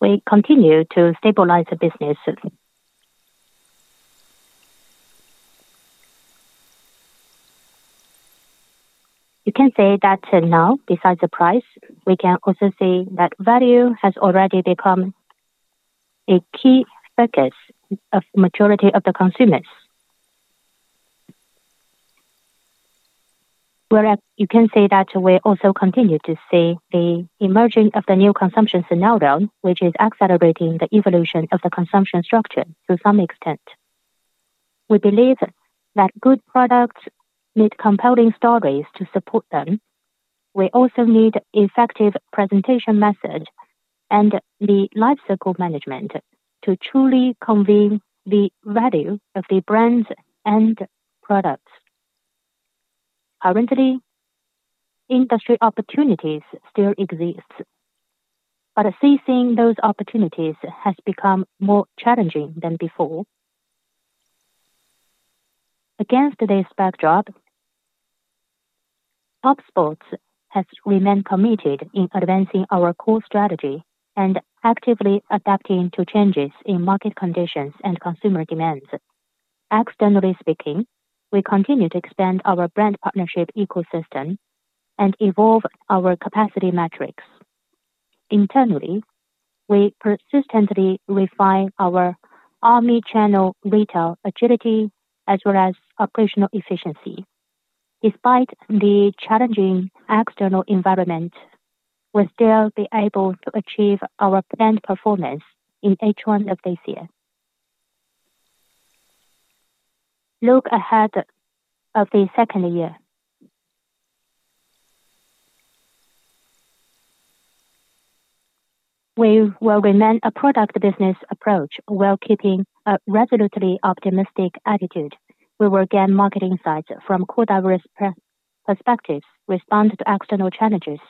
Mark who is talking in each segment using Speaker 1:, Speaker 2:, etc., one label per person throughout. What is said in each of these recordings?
Speaker 1: We continue to stabilize the business. You can say that now, besides the price, we can also see that value has already become a key focus of the majority of the consumers. Whereas, you can say that we also continue to see the emerging of the new consumption scenario, which is accelerating the evolution of the consumption structure to some extent. We believe that good products need compelling stories to support them. We also need effective presentation methods and the lifecycle management to truly convey the value of the brands and products. Currently, industry opportunities still exist, but seizing those opportunities has become more challenging than before. Against this backdrop, Topsports has remained committed in advancing our core strategy and actively adapting to changes in market conditions and consumer demands. Externally speaking, we continue to expand our brand partnership ecosystem and evolve our capacity metrics. Internally, we persistently refine our omnichannel retail agility as well as operational efficiency. Despite the challenging external environment, we'll still be able to achieve our planned performance in each one of these years. Look ahead of the second year. We will remain a product business approach while keeping a resolutely optimistic attitude. We will gain market insights from core diverse perspectives, respond to external challenges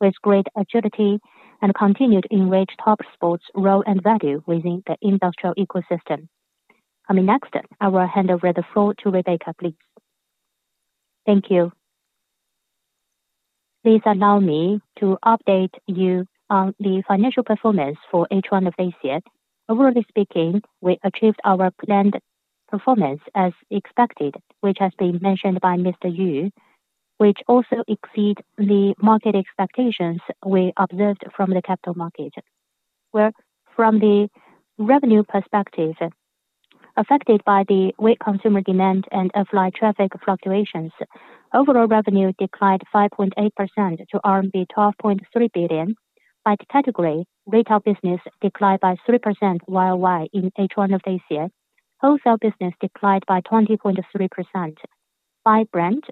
Speaker 1: with great agility, and continue to enrich Topsports' role and value within the industrial ecosystem. Coming next, I will hand over the floor to Rebecca, please.
Speaker 2: Thank you. Please allow me to update you on the financial performance for each one of these years. Overly speaking, we achieved our planned performance as expected, which has been mentioned by Mr. Yu, which also exceeds the market expectations we observed from the capital market. Where from the revenue perspective, affected by the weak consumer demand and air flight traffic fluctuations, overall revenue declined 5.8% to RMB 12.3 billion. By category, retail business declined by 3% worldwide in each one of these years. Wholesale business declined by 20.3%. By brand,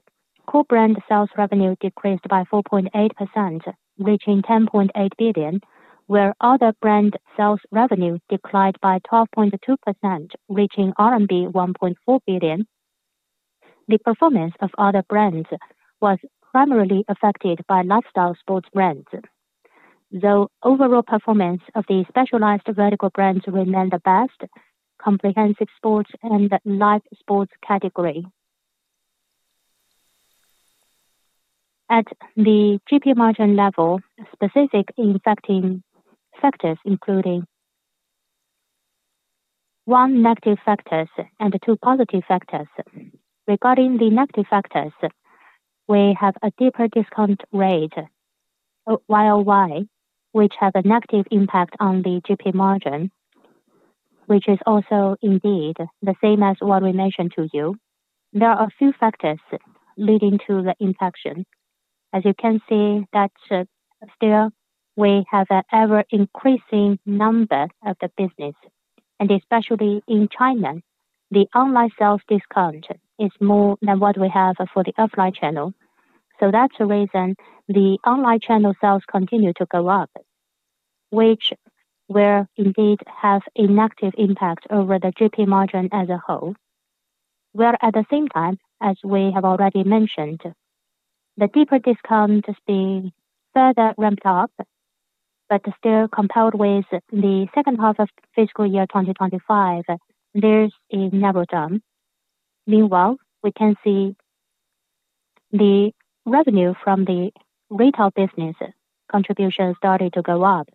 Speaker 2: core brand sales revenue decreased by 4.8%, reaching 10.8 billion, where other brand sales revenue declined by 12.2%, reaching RMB 1.4 billion. The performance of other brands was primarily affected by lifestyle sports brands. Though overall performance of the specialized vertical brands remained the best, comprehensive sports and life sports category. At the GP margin level, specific affecting factors including one negative factor and two positive factors. Regarding the negative factor, we have a deeper discount rate worldwide, which has a negative impact on the GP margin, which is also indeed the same as what we mentioned to you. There are a few factors leading to the infection. As you can see, we still have an ever-increasing number of the business. Especially in China, the online sales discount is more than what we have for the offline channel. That's the reason the online channel sales continue to go up, which will indeed have a negative impact over the GP margin as a whole. At the same time, as we have already mentioned, the deeper discount has been further ramped up, but still compared with the second half of fiscal year 2025, there's a narrow jump. Meanwhile, we can see the revenue from the retail business contribution started to go up.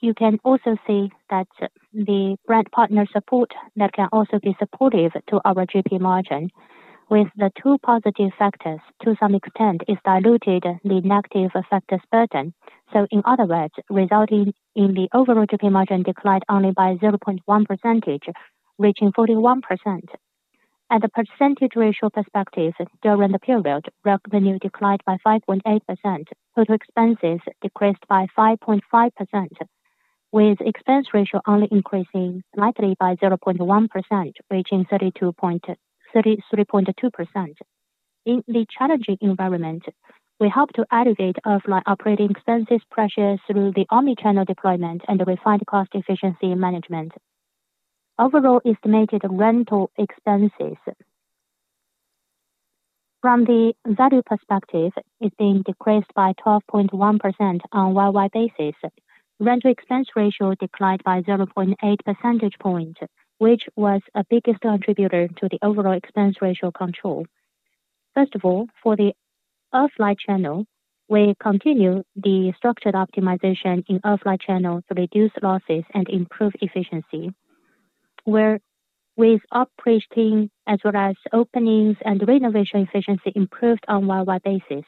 Speaker 2: You can also see that the brand partner support can also be supportive to our GP margin. With the two positive factors, to some extent, it's diluted the negative factor's burden. In other words, resulting in the overall GP margin declined only by 0.1%, reaching 41%. At the percentage ratio perspective, during the period, revenue declined by 5.8%, total expenses decreased by 5.5%, with expense ratio only increasing slightly by 0.1%, reaching 33.2%. In the challenging environment, we hope to alleviate offline operating expenses pressure through the omnichannel deployment and refined cost efficiency management. Overall estimated rental expenses, from the value perspective, have been decreased by 12.1% on a worldwide basis. Rental expense ratio declined by 0.8% point, which was the biggest contributor to the overall expense ratio control. For the offline channel, we continue the structured optimization in offline channel to reduce losses and improve efficiency. With operating as well as openings and renovation efficiency improved on a worldwide basis.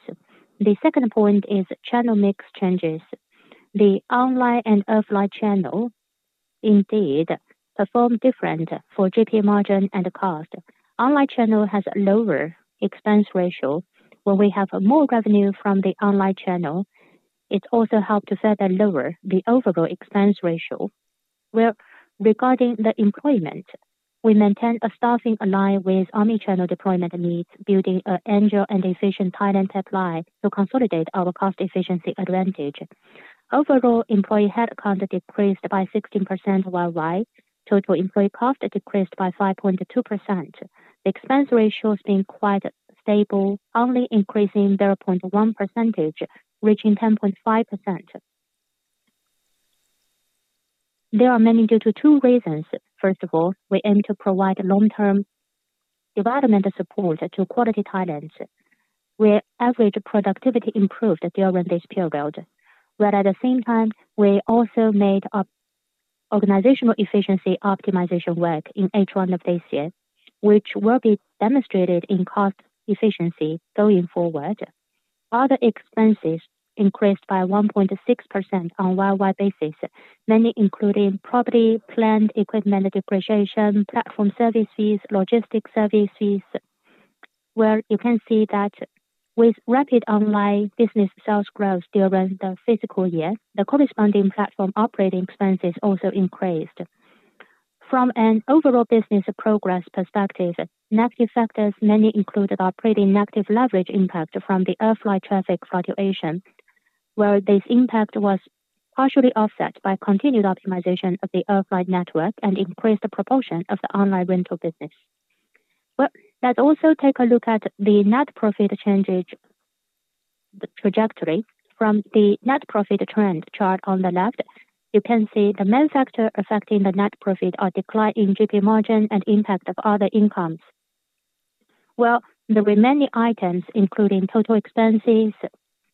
Speaker 2: The second point is channel mix changes. The online and offline channel indeed perform different for GP margin and cost. Online channel has a lower expense ratio. Where we have more revenue from the online channel, it also helps to further lower the overall expense ratio. Regarding the employment, we maintain a staffing aligned with omnichannel deployment needs, building an agile and efficient talent pipeline to consolidate our cost efficiency advantage. Overall employee headcount decreased by 16% worldwide. Total employee cost decreased by 5.2%. The expense ratio has been quite stable, only increasing 0.1%, reaching 10.5%. This is mainly due to two reasons. First of all, we aim to provide long-term development support to quality talents. Average productivity improved during this period. At the same time, we also made our organizational efficiency optimization work in each one of these years, which will be demonstrated in cost efficiency going forward. Other expenses increased by 1.6% on a worldwide basis, mainly including property, plant and equipment depreciation, platform services, and logistics services. With rapid online business sales growth during the fiscal year, the corresponding platform operating expenses also increased. From an overall business progress perspective, negative factors mainly included operating negative leverage impact from the air flight traffic fluctuation. This impact was partially offset by continued optimization of the air flight network and increased the proportion of the online rental business. Let's also take a look at the net profit changes, the trajectory from the net profit trend chart on the left. You can see the main factor affecting the net profit was the decline in gross profit margin and impact of other incomes. The remaining items, including total expenses,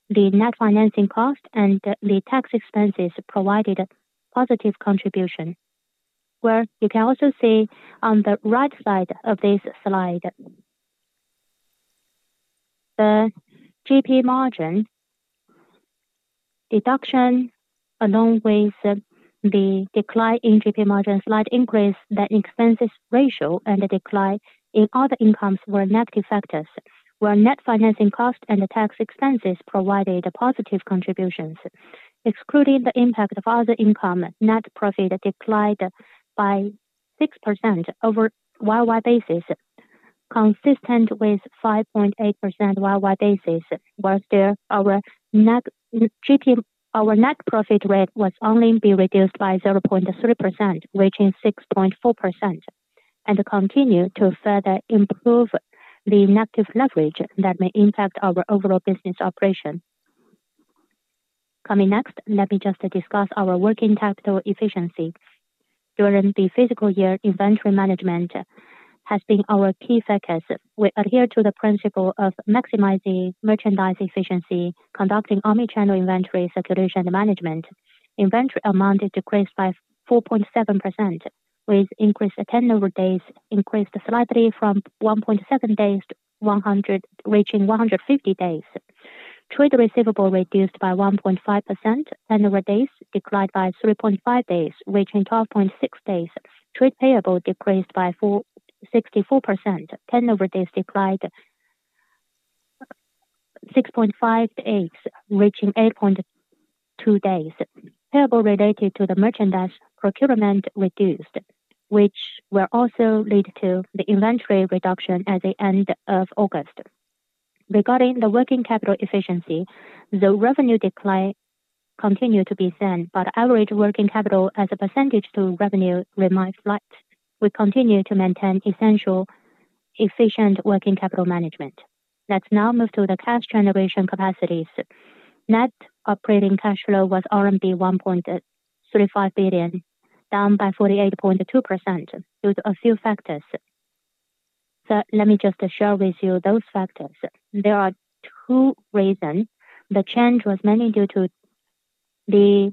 Speaker 2: the net financing cost, and the tax expenses, provided a positive contribution. You can also see on the right side of this slide, the gross profit margin deduction along with the decline in gross profit margin, slight increase in the expense ratio, and the decline in other incomes were negative factors. Net financing cost and tax expenses provided positive contributions. Excluding the impact of other income, net profit declined by 6% on a worldwide basis, consistent with 5.8% worldwide basis. Our net profit rate was only reduced by 0.3%, reaching 6.4%. We continue to further improve the negative leverage that may impact our overall business operation. Coming next, let me discuss our working capital efficiency. During the fiscal year, inventory management has been our key focus. We adhere to the principle of maximizing merchandise efficiency, conducting omnichannel inventory circulation management. Inventory amount decreased by 4.7%, with inventory tenure days increased slightly from 148.3 days to 150 days. Trade receivable reduced by 1.5%, tenure days declined by 3.5 days, reaching 12.6 days. Trade payable decreased by 64%, tenure days declined 6.5 days, reaching 8.2 days. Payable related to the merchandise procurement reduced, which will also lead to the inventory reduction at the end of August. Regarding the working capital efficiency, the revenue decline continued to be thin, but the average working capital as a percentage to revenue remained flat. We continue to maintain essential efficient working capital management. Let's now move to the cash generation capacities. Net operating cash flow was RMB 1.35 billion, down by 48.2% due to a few factors. Let me just share with you those factors. There are two reasons. The change was mainly due to the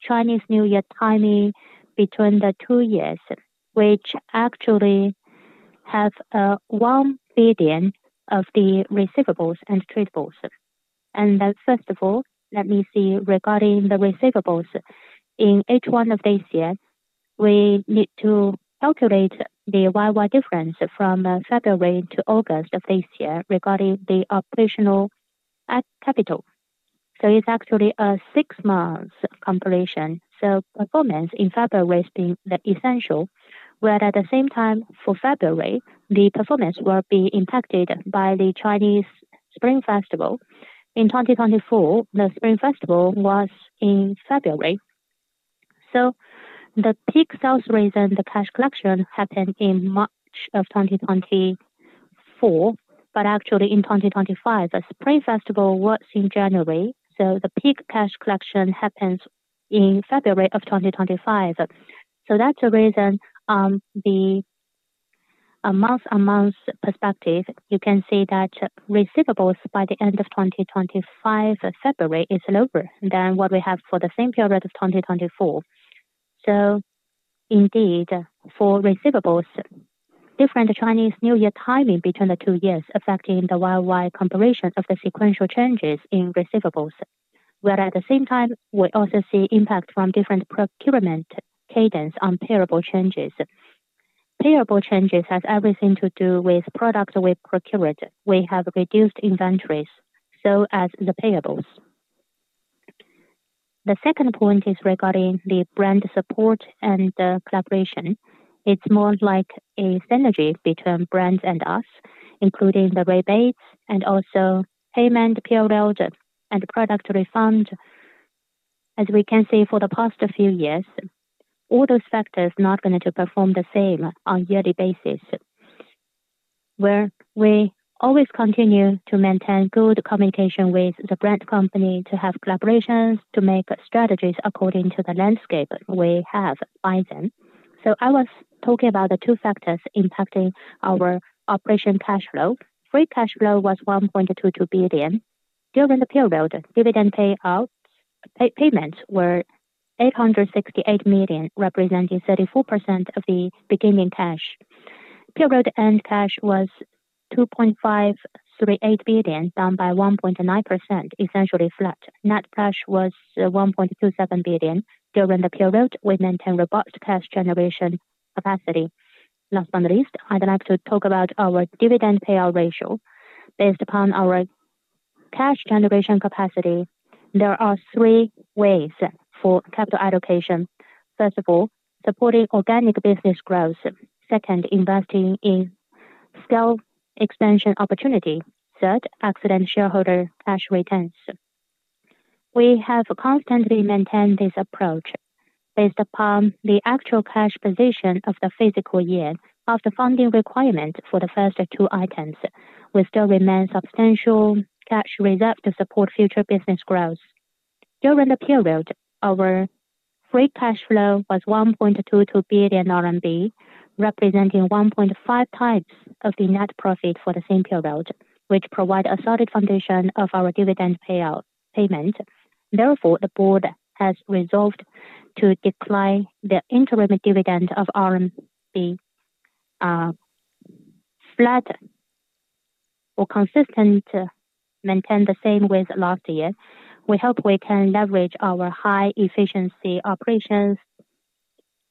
Speaker 2: Chinese New Year timing between the two years, which actually have 1 billion of the receivables and trade payables. First of all, let me see regarding the receivables. In each one of these years, we need to calculate the worldwide difference from February to August of this year regarding the operational capital. It's actually a six-month compilation. Performance in February has been essential. At the same time, for February, the performance will be impacted by the Chinese Spring Festival. In 2024, the Spring Festival was in February. The peak sales reason the cash collection happened in March of 2024, but actually in 2025, the Spring Festival was in January. The peak cash collection happens in February of 2025. That's the reason on the month-on-month perspective, you can see that receivables by the end of 2025 February is lower than what we have for the same period of 2024. Indeed, for receivables, different Chinese New Year timing between the two years affecting the worldwide comparison of the sequential changes in receivables. At the same time, we also see impact from different procurement cadence on payable changes. Payable changes have everything to do with products we've procured. We have reduced inventories, so as the payables. The second point is regarding the brand support and the collaboration. It's more like a synergy between brands and us, including the rebates and also payment, payroll, and product refund. As we can see for the past few years, all those factors are not going to perform the same on a yearly basis. Where we always continue to maintain good communication with the brand company to have collaborations, to make strategies according to the landscape we have by then. I was talking about the two factors impacting our operation cash flow. Free cash flow was 1.22 billion. During the period, dividend payout payments were 868 million, representing 34% of the beginning cash. Period end cash was 2.538 billion, down by 1.9%, essentially flat. Net cash was 1.27 billion. During the period, we maintained robust cash generation capacity. Last but not least, I'd like to talk about our dividend payout ratio. Based upon our cash generation capacity, there are three ways for capital allocation. First of all, supporting organic business growth. Second, investing in scale expansion opportunity. Third, excellent shareholder cash returns. We have constantly maintained this approach. Based upon the actual cash position of the fiscal year, after funding requirements for the first two items, we still remain substantial cash reserved to support future business growth. During the period, our free cash flow was 1.22 billion RMB, representing 1.5 times the net profit for the same period, which provides a solid foundation of our dividend payment. Therefore, the board has resolved to declare the interim dividend of RMB flat or consistent to maintain the same with last year. We hope we can leverage our high efficiency operations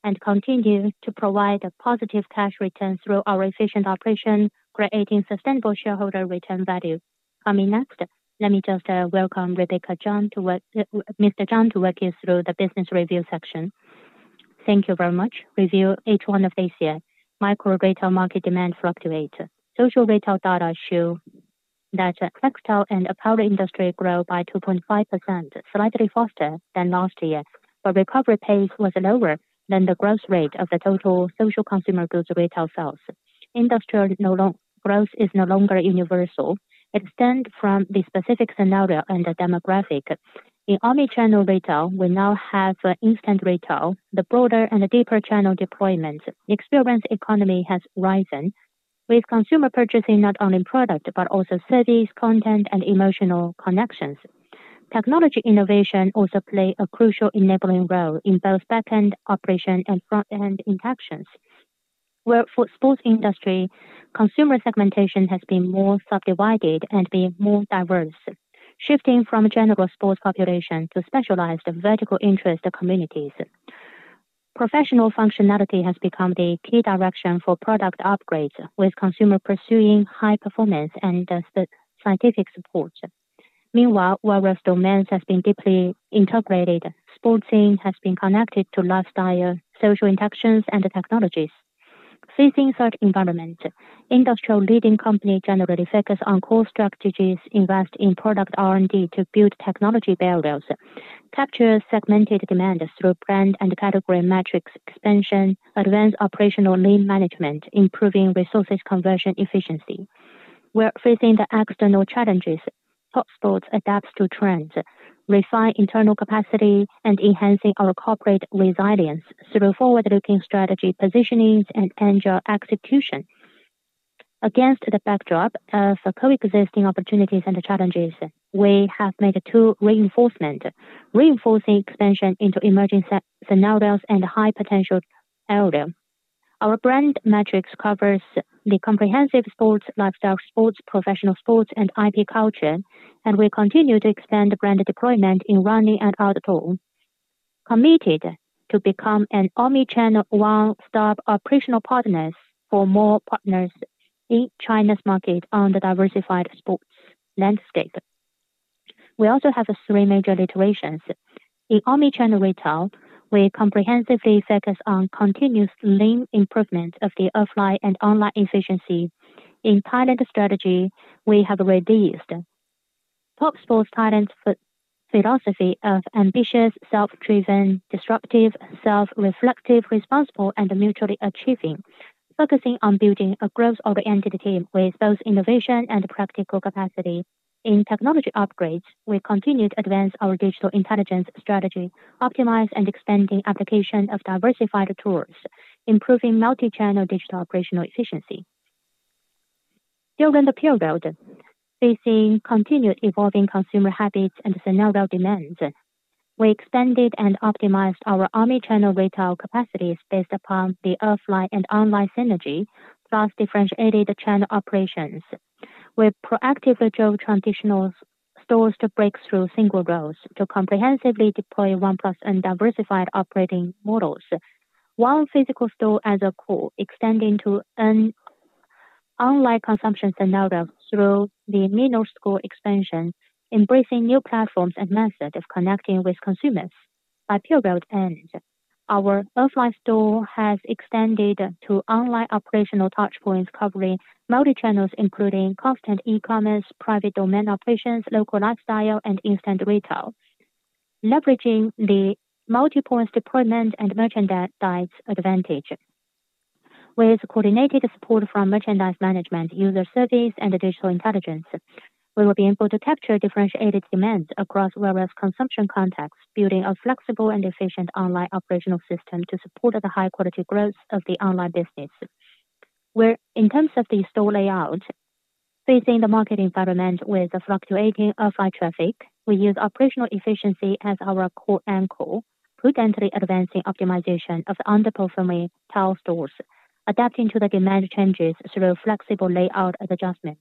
Speaker 2: and continue to provide a positive cash return through our efficient operation, creating sustainable shareholder return value. Coming next, let me just welcome Rebecca Zhang to work, Mr. Zhang, to walk you through the business review section.
Speaker 3: Thank you very much. Review each one of these years. Micro retail market demand fluctuates. Social retail data show that textile and apparel industry grew by 2.5%, slightly faster than last year. Recovery pace was lower than the growth rate of the total social consumer goods retail sales. Industrial growth is no longer universal. It stems from the specific scenario and the demographic. In omnichannel retail, we now have instant retail. The broader and deeper channel deployment. The experience economy has risen, with consumer purchasing not only product, but also series, content, and emotional connections. Technology innovation also plays a crucial enabling role in both backend operation and frontend interactions. Where for sports industry, consumer segmentation has been more subdivided and been more diverse, shifting from a general sports population to specialized vertical interest communities. Professional functionality has become the key direction for product upgrades, with consumer pursuing high performance and the scientific support. Meanwhile, whereas domains have been deeply integrated, sports scene has been connected to lifestyle, social interactions, and technologies. Facing such environments, industrial leading companies generally focus on core strategies, invest in product R&D to build technology barriers, capture segmented demand through brand and category metrics expansion, advance operational lean management, improving resources conversion efficiency. We're facing the external challenges. Topsports adapts to trends, refine internal capacity, and enhance our corporate resilience through forward-looking strategy positionings and angel execution. Against the backdrop of coexisting opportunities and challenges, we have made two reinforcements, reinforcing expansion into emerging scenarios and high potential areas. Our brand metrics cover the comprehensive sports, lifestyle sports, professional sports, and IP culture, and we continue to expand brand deployment in running and outdoor. Committed to become an omnichannel one-stop operational partner for more partners in China's market on the diversified sports landscape. We also have three major iterations. In omnichannel retail, we comprehensively focus on continuous lean improvement of the offline and online efficiency.
Speaker 1: In talent strategy, we have reduced Topsports talent philosophy of ambitious, self-driven, disruptive, self-reflective, responsible, and mutually achieving, focusing on building a growth-oriented team with both innovation and practical capacity. In technology upgrades, we continue to advance our digital intelligence strategy, optimize and expand the application of diversified tools, improving multichannel digital operational efficiency. During the period, facing continued evolving consumer habits and scenario demands, we expanded and optimized our omnichannel retail capacities based upon the offline and online synergy plus differentiated channel operations. We proactively drove traditional stores to break through single rows to comprehensively deploy one-plus and diversified operating models. One physical store as a core extending to an online consumption scenario through the minuscule expansion, embracing new platforms and methods of connecting with consumers. By period end, our offline store has extended to online operational touchpoints covering multichannels, including constant e-commerce, private domain operations, local lifestyle, and instant retail, leveraging the multipoint deployment and merchandise advantage. With coordinated support from merchandise management, user service, and digital intelligence, we will be able to capture differentiated demands across various consumption contexts, building a flexible and efficient online operational system to support the high-quality growth of the online business. Where in terms of the store layout, facing the market environment with the fluctuating offline traffic, we use operational efficiency as our core angle, potentially advancing optimization of underperforming tile stores, adapting to the demand changes through flexible layout adjustment.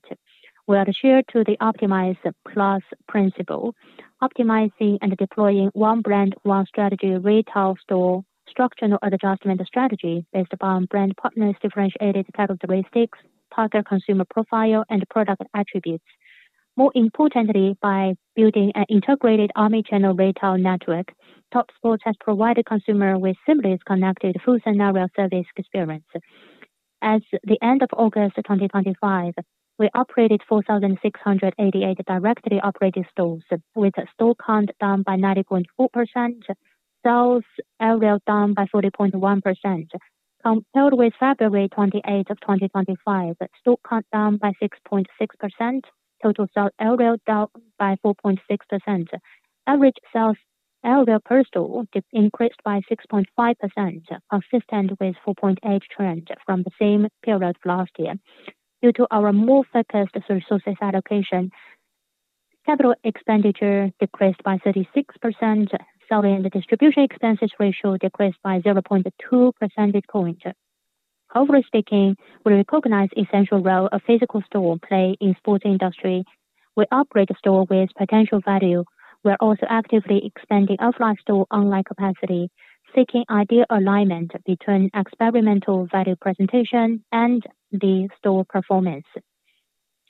Speaker 1: We are the share to the optimize plus principle, optimizing and deploying one brand, one strategy, retail store structural adjustment strategy based upon brand partners, differentiated characteristics, target consumer profile, and product attributes. More importantly, by building an integrated omnichannel retail network, Topsports has provided consumers with seamless connected full scenario service experience. As the end of August 2025, we operated 4,688 directly operated stores, with a store count down by 90.4%, sales area down by 40.1%. Compared with February 28th of 2025, store count down by 6.6%, total sales area down by 4.6%, average sales area per store increased by 6.5%, consistent with 4.8% trend from the same period of last year. Due to our more focused resources allocation, capital expenditure decreased by 36%, selling and distribution expenses ratio decreased by 0.2%. Overall speaking, we recognize the essential role a physical store plays in the sports industry. We operate a store with potential value. We're also actively expanding offline store online capacity, seeking ideal alignment between experimental value presentation and the store performance.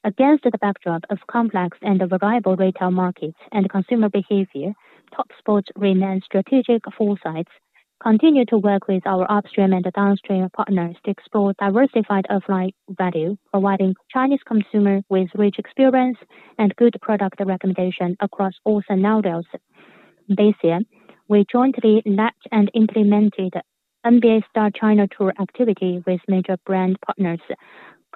Speaker 1: Against the backdrop of complex and variable retail markets and consumer behavior, Topsports remains strategic foresights. Continue to work with our upstream and downstream partners to explore diversified offline value, providing Chinese consumers with rich experience and good product recommendation across all scenarios. This year, we jointly launched and implemented MBA Star China Tour activity with major brand partners,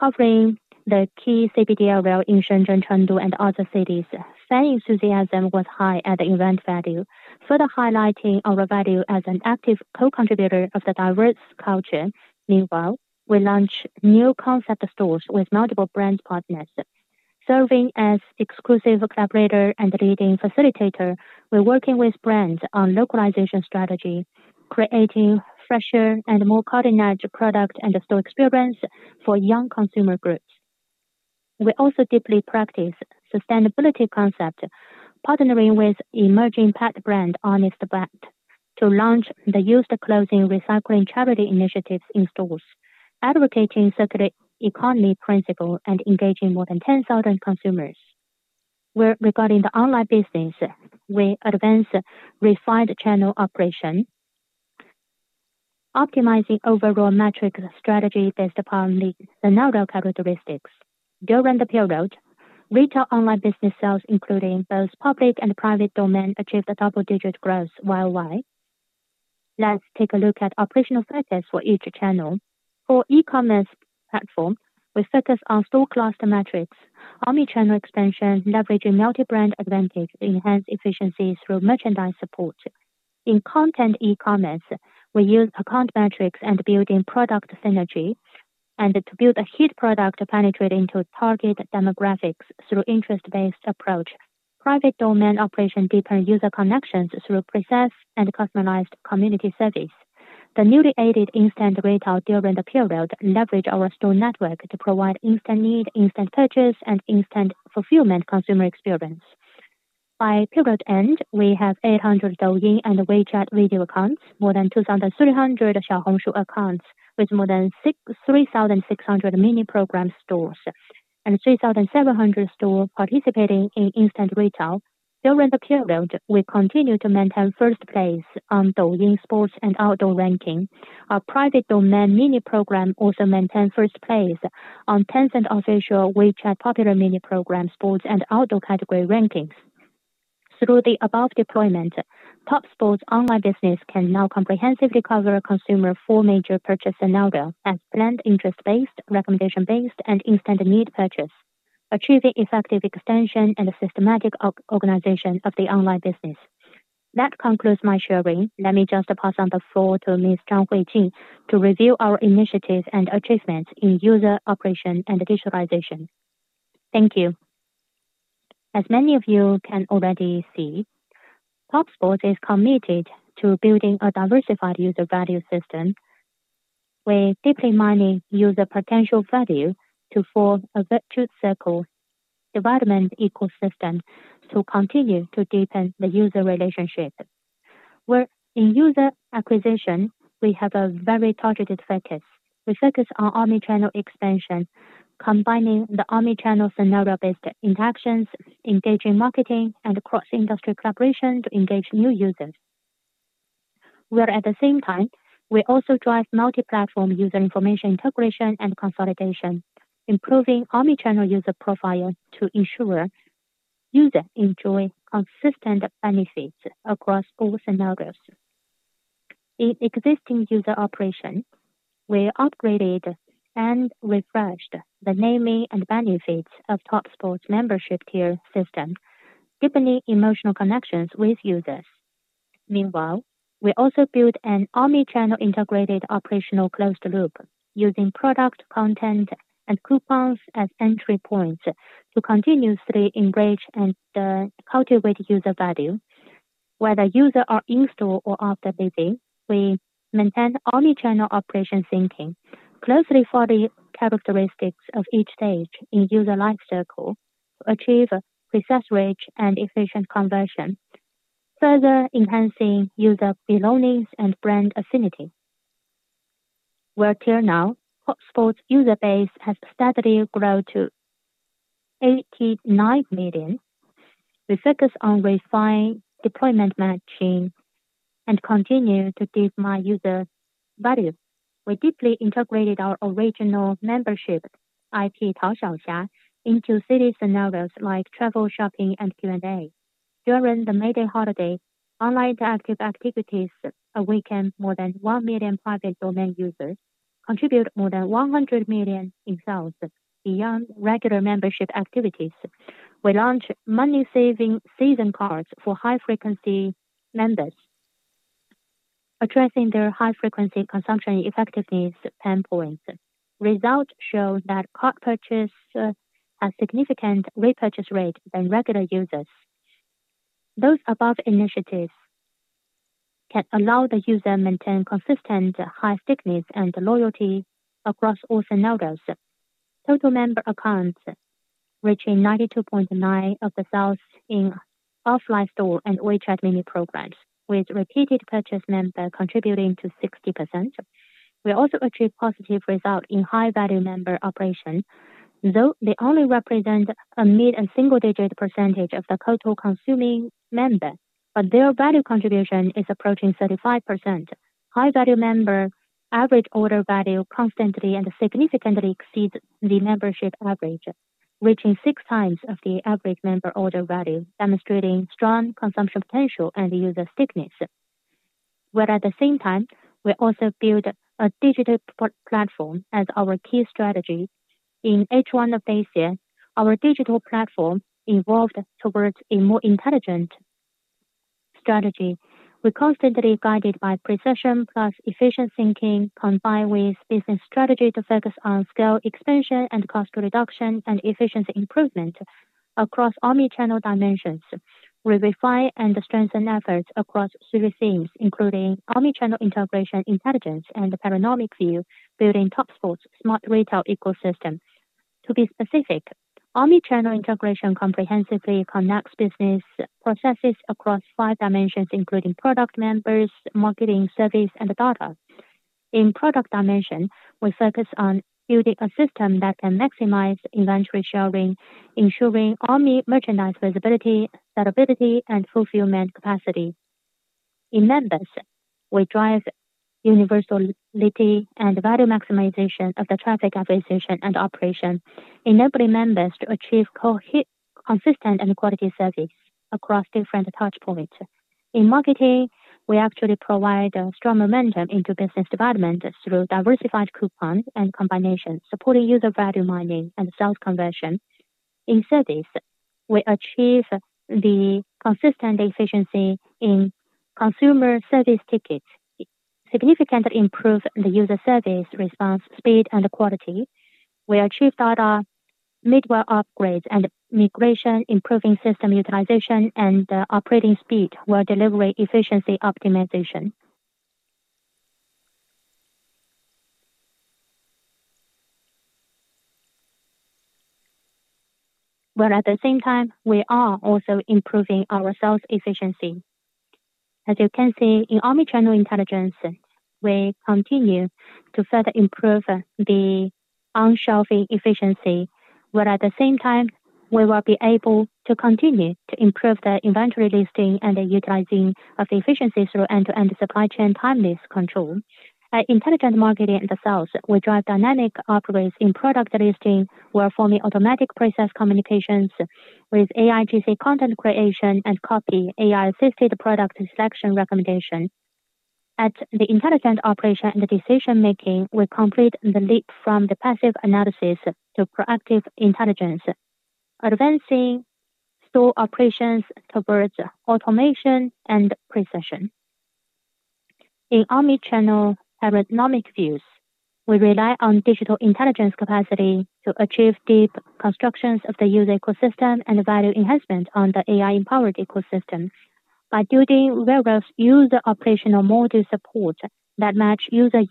Speaker 1: covering the key CBD area in Shenzhen, Chengdu, and other cities. Fan enthusiasm was high at the event venue, further highlighting our value as an active co-contributor of the diverse culture. Meanwhile, we launched new concept stores with multiple brand partners. Serving as exclusive collaborator and leading facilitator, we're working with brands on localization strategy, creating fresher and more cutting-edge product and store experience for young consumer groups. We also deeply practice sustainability concepts, partnering with emerging pet brand Honest Brand to launch the used clothing recycling charity initiatives in stores, advocating circular economy principle, and engaging more than 10,000 consumers. Regarding the online business, we advance refined channel operation, optimizing overall metrics strategy based upon the scenario characteristics. During the period, retail online business sales, including both public and private domain, achieved double-digit growth worldwide. Let's take a look at operational factors for each channel. For e-commerce platform, we focus on store cluster metrics, omnichannel expansion, leveraging multi-brand advantage to enhance efficiency through merchandise support. In content e-commerce, we use account metrics and building product synergy and to build a hit product to penetrate into target demographics through an interest-based approach. Private domain operation deepens user connections through precise and customized community service. The newly added instant retail during the period leverages our store network to provide instant need, instant purchase, and instant fulfillment consumer experience. By period end, we have 800 Douyin and WeChat video accounts, more than 2,300 Xiaohongshu accounts, with more than 3,600 mini program stores and 3,700 stores participating in instant retail. During the period, we continue to maintain first place on Douyin Sports and Outdoor ranking. Our private domain mini program also maintains first place on Tencent Official WeChat Popular mini program sports and outdoor category rankings. Through the above deployment, Topsports online business can now comprehensively cover consumers' four major purchase scenarios as planned interest-based, recommendation-based, and instant need purchase, achieving effective extension and systematic organization of the online business. That concludes my sharing. Let me just pass on the floor to Ms. Huijing Zhang to review our initiatives and achievements in user operation and digitalization.
Speaker 4: Thank you. As many of you can already see, Topsports is committed to building a diversified user value system. We're deeply mining user potential value to form a virtuous circle development ecosystem to continue to deepen the user relationship. Where in user acquisition, we have a very targeted focus. We focus on omnichannel expansion, combining the omnichannel scenario-based interactions, engaging marketing, and cross-industry collaboration to engage new users. At the same time, we also drive multi-platform user information integration and consolidation, improving omnichannel user profile to ensure users enjoy consistent benefits across all scenarios. In existing user operation, we upgraded and refreshed the naming and benefits of Topsports membership tier system, deepening emotional connections with users. Meanwhile, we also built an omnichannel integrated operational closed loop using product, content, and coupons as entry points to continuously enrich and cultivate user value. Whether users are in-store or after busy, we maintain omnichannel operation thinking closely for the characteristics of each stage in user lifecycle to achieve precise reach and efficient conversion, further enhancing user belongings and brand affinity. Where till now, Topsports user base has steadily grown to 89 million, we focus on refined deployment matching and continue to give my user value. We deeply integrated our original membership IP Tao Xiaoxia into city scenarios like travel, shopping, and Q&A. During the May Day holiday, online interactive activities awakened more than 1 million private domain users, contributed more than $100 million in sales, beyond regular membership activities. We launched money-saving season cards for high-frequency members, addressing their high-frequency consumption effectiveness pain points. Results show that card purchase has a significant repurchase rate than regular users. Those above initiatives can allow the user to maintain consistent high stickiness and loyalty across all scenarios. Total member accounts reaching 92.9% of the sales in offline store and WeChat mini programs, with repeated purchase members contributing to 60%. We also achieved positive results in high-value member operation, though they only represent a mid and single-digit % of the total consuming member, but their value contribution is approaching 35%. High-value member average order value constantly and significantly exceeds the membership average, reaching six times of the average member order value, demonstrating strong consumption potential and user stickiness. At the same time, we also built a digital platform as our key strategy. In each one of these years, our digital platform evolved towards a more intelligent strategy. We're constantly guided by precision plus efficient thinking, combined with business strategy to focus on scale expansion and cost reduction and efficiency improvement across omnichannel dimensions. We refine and strengthen efforts across three themes, including omnichannel integration intelligence and the paradigmic view, building Topsports' smart retail ecosystem. To be specific, omnichannel integration comprehensively connects business processes across five dimensions, including product, members, marketing, service, and data. In product dimension, we focus on building a system that can maximize inventory sharing, ensuring omnichannel merchandise visibility, scalability, and fulfillment capacity. In members, we drive universality and value maximization of the traffic acquisition and operation, enabling members to achieve consistent and quality service across different touchpoints. In marketing, we actually provide strong momentum into business development through diversified coupons and combinations, supporting user value mining and sales conversion. In service, we achieve the consistent efficiency in consumer service tickets, significantly improving the user service response speed and quality. We achieve data mid-well upgrades and migration, improving system utilization and operating speed while delivering efficiency optimization. At the same time, we are also improving our sales efficiency. As you can see, in omnichannel intelligence, we continue to further improve the onshelfing efficiency, while at the same time, we will be able to continue to improve the inventory listing and the utilizing of efficiency through end-to-end supply chain timeless control. At intelligent marketing and sales, we drive dynamic upgrades in product listing while forming automatic process communications with AIGC content creation and copy AI-assisted product selection recommendation. At the intelligent operation and decision-making, we complete the leap from the passive analysis to proactive intelligence, advancing store operations towards automation and precision. In omnichannel paradigmic views, we rely on digital intelligence capacity to achieve deep constructions of the user ecosystem and value enhancement on the AI-empowered ecosystem. By building various user operational mode support that match user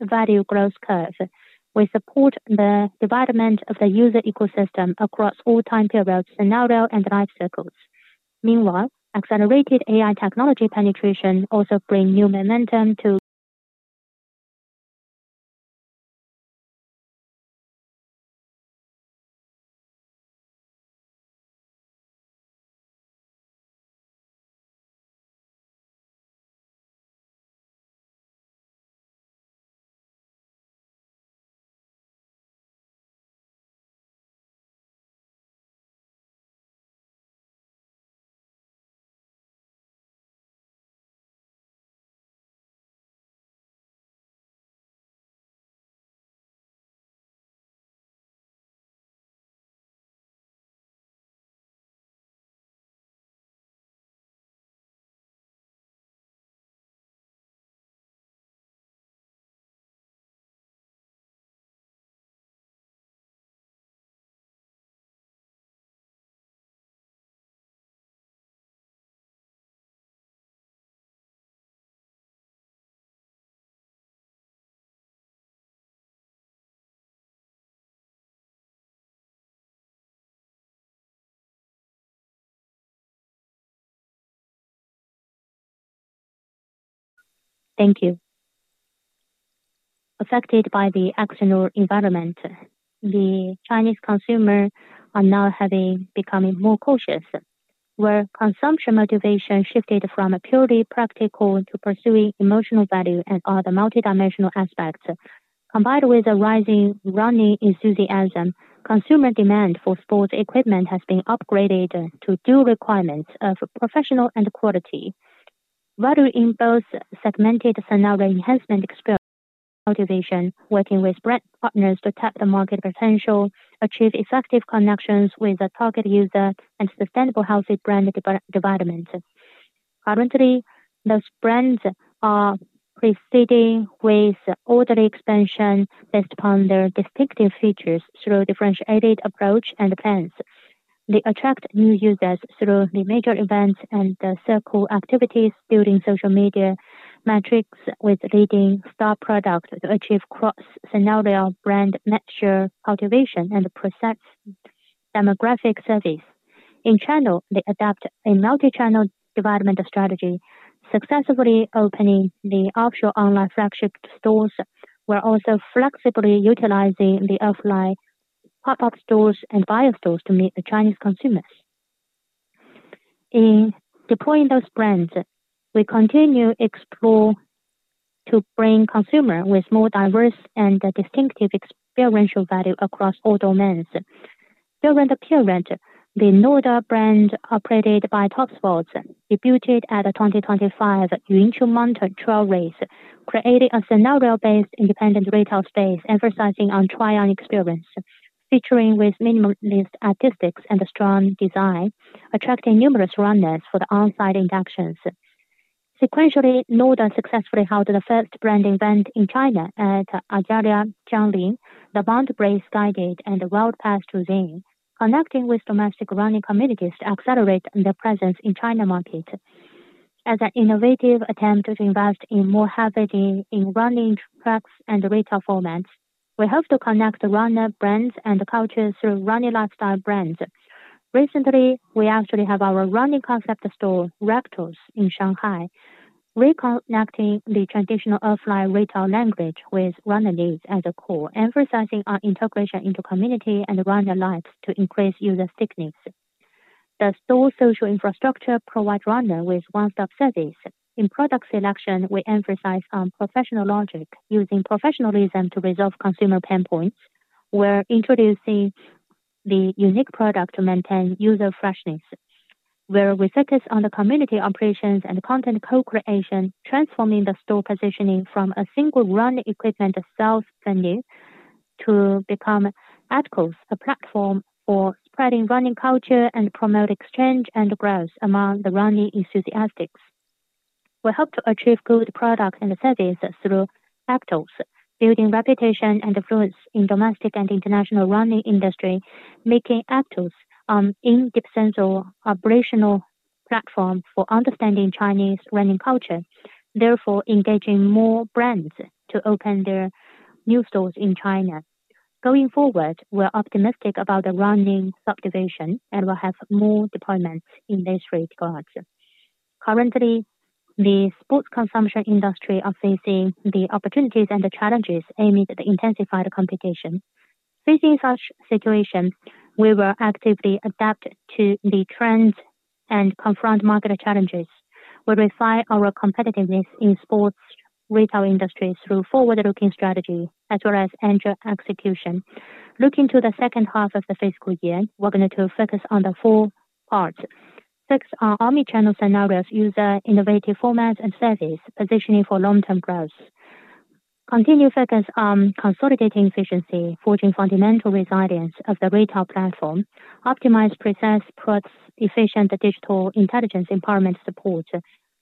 Speaker 4: value growth curves, we support the development of the user ecosystem across all time periods, scenarios, and lifecycles. Meanwhile, accelerated AI technology penetration also brings new momentum to. Thank you. Affected by the external environment, the Chinese consumers are now becoming more cautious, where consumption motivation shifted from purely practical to pursuing emotional value and other multidimensional aspects. Combined with a rising running enthusiasm, consumer demand for sports equipment has been upgraded to dual requirements of professional and quality. Value in both segmented scenario enhancement experience motivation, working with brand partners to tap the market potential, achieve effective connections with the target user, and sustainable healthy brand development. Currently, those brands are proceeding with orderly expansion based upon their distinctive features through a differentiated approach and plans. They attract new users through the major events and the circle activities, building social media metrics with leading star products to achieve cross-scenario brand mature, cultivation, and precise demographic service. In channel, they adapt a multi-channel development strategy, successfully opening the offshore online flagship stores, while also flexibly utilizing the offline pop-up stores and bio stores to meet the Chinese consumers. In deploying those brands, we continue to explore to bring consumers with more diverse and distinctive experiential value across all domains. During the period, the Nodal brand operated by Topsports debuted at the 2025 Yunqiu Mountain Trail Race, creating a scenario-based independent retail space emphasizing on trial experience, featuring minimalist artistics and strong design, attracting numerous runners for the onsite inductions. Sequentially, Nodal successfully held the first brand event in China at Azalea Jiangling, the Bond Brace Guided, and the World Pass to Zhin, connecting with domestic running communities to accelerate their presence in the China market. As an innovative attempt to invest in more heavy running tracks and retail formats, we hope to connect runner brands and cultures through running lifestyle brands. Recently, we actually have our running concept store, Aptus, in Shanghai, reconnecting the traditional offline retail language with runner needs as a core, emphasizing our integration into community and runner lives to increase user stickiness. The store's social infrastructure provides runners with one-stop service. In product selection, we emphasize on professional logic, using professionalism to resolve consumer pain points, while introducing the unique product to maintain user freshness. Where we focus on the community operations and content co-creation, transforming the store positioning from a single run equipment sales venue to become Aptus, a platform for spreading running culture and promoting exchange and growth among the running enthusiasts. We hope to achieve good products and services through Aptus, building reputation and influence in the domestic and international running industry, making Aptus an indispensable operational platform for understanding Chinese running culture, therefore engaging more brands to open their new stores in China. Going forward, we're optimistic about the running subdivision and will have more deployments in these regards. Currently, the sports consumption industry is facing the opportunities and the challenges aimed at the intensified competition. Facing such situations, we will actively adapt to the trends and confront market challenges. We'll refine our competitiveness in the sports retail industry through a forward-looking strategy, as well as agile execution. Looking to the second half of the fiscal year, we're going to focus on the four parts. Focus on omnichannel scenarios, user innovative formats and service, positioning for long-term growth. Continue focus on consolidating efficiency, forging fundamental resilience of the retail platform, optimize precise products, efficient digital intelligence empowerment support,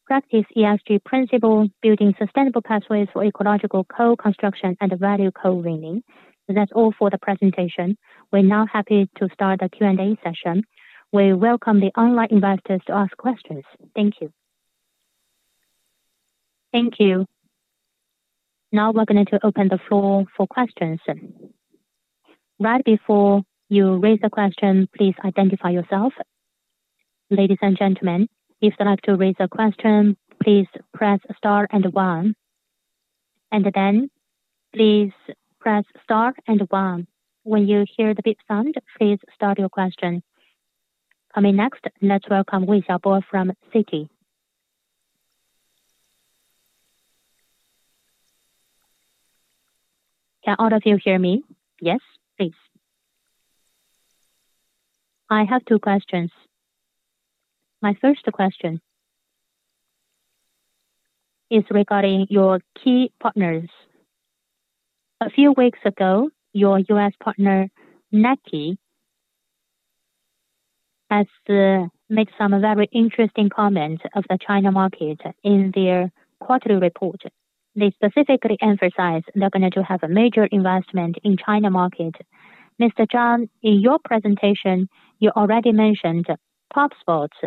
Speaker 4: practice ESG principle, building sustainable pathways for ecological co-construction and value co-winning. That's all for the presentation. We're now happy to start the Q&A session. We welcome the online investors to ask questions. Thank you.
Speaker 5: Thank you. Now we're going to open the floor for questions. Right before you raise a question, please identify yourself. Ladies and gentlemen, if you'd like to raise a question, please press star and one. Please press star and one. When you hear the beep sound, please start your question. Coming next, let's welcome Wu Xiao Bo from CTI.
Speaker 6: Can all of you hear me?
Speaker 1: Yes, please.
Speaker 6: I have two questions. My first question is regarding your key partners. A few weeks ago, your U.S. partner, Nike, has made some very interesting comments on the China market in their quarterly report. They specifically emphasize they're going to have a major investment in the China market. Mr. Zhang, in your presentation, you already mentioned Topsports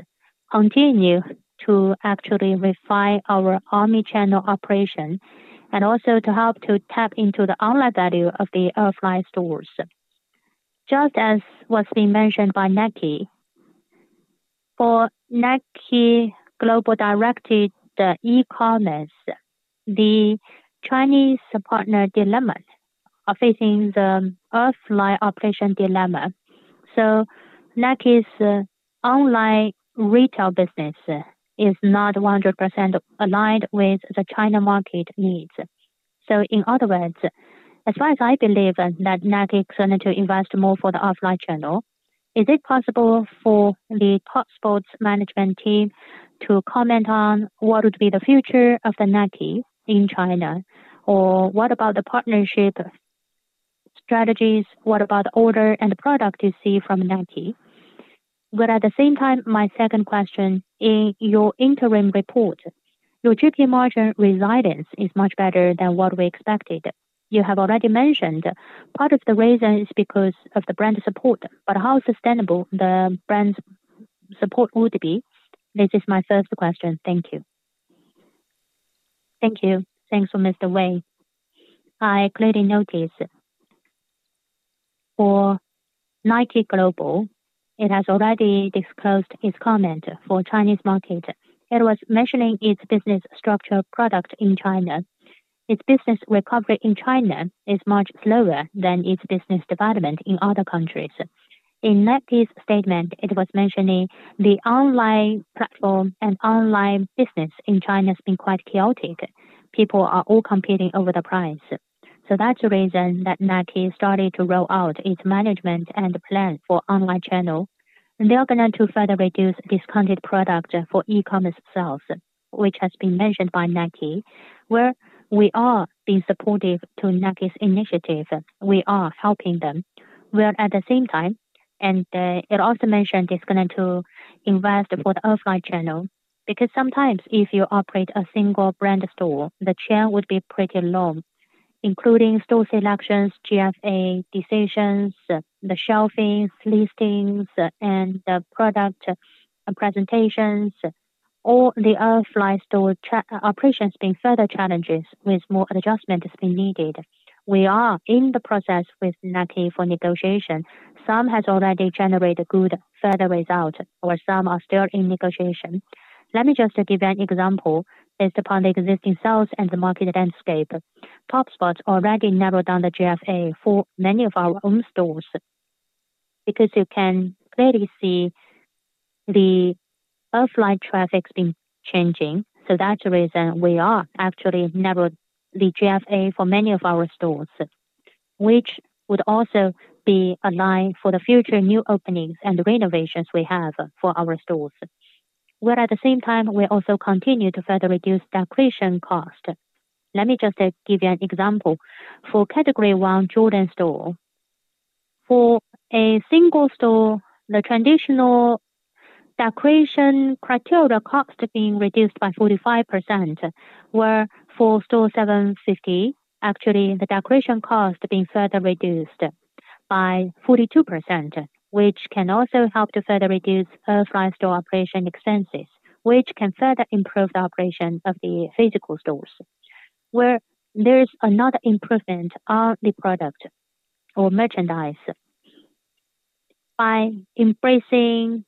Speaker 6: continue to actually refine our omnichannel operation and also to help to tap into the online value of the offline stores. Just as was being mentioned by Nike, for Nike Global Direct E-commerce, the Chinese partner dilemmas are facing the offline operation dilemma. Nike's online retail business is not 100% aligned with the China market needs. In other words, as far as I believe that Nike is going to invest more for the offline channel, is it possible for the Topsports management team to comment on what would be the future of Nike in China? What about the partnership strategies? What about the order and the product you see from Nike? At the same time, my second question, in your interim report, your GP margin resilience is much better than what we expected. You have already mentioned part of the reason is because of the brand support. How sustainable the brand's support would be? This is my first question. Thank you.
Speaker 1: Thank you. Thanks for Mr. Wei. I clearly notice for Nike Global, it has already disclosed its comment for the Chinese market. It was mentioning its business structure product in China. Its business recovery in China is much slower than its business development in other countries. In Nike's statement, it was mentioning the online platform and online business in China has been quite chaotic. People are all competing over the price. That's the reason that Nike started to roll out its management and plan for online channel. They are going to further reduce discounted products for e-commerce sales, which has been mentioned by Nike. We are being supportive to Nike's initiative, we are helping them. While at the same time, it also mentioned it's going to invest for the offline channel, because sometimes if you operate a single brand store, the churn would be pretty low, including store selections, GFA decisions, the shelvings, listings, and the product presentations. All the offline store operation has been further challenged with more adjustments being needed. We are in the process with Nike for negotiation. Some have already generated good further results, or some are still in negotiation. Let me just give you an example based upon the existing sales and the market landscape. Topsports already narrowed down the GFA for many of our own stores because you can clearly see the offline traffic has been changing. That's the reason we are actually narrowing the GFA for many of our stores, which would also be aligned for the future new openings and renovations we have for our stores. At the same time, we also continue to further reduce the acquisition cost. Let me just give you an example. For Category 1 Jordan store, for a single store, the traditional decoration criteria cost is being reduced by 45%, where for Store 750, actually the decoration cost is being further reduced by 42%, which can also help to further reduce offline store operation expenses, which can further improve the operation of the physical stores. There's another improvement on the product or merchandise. By embracing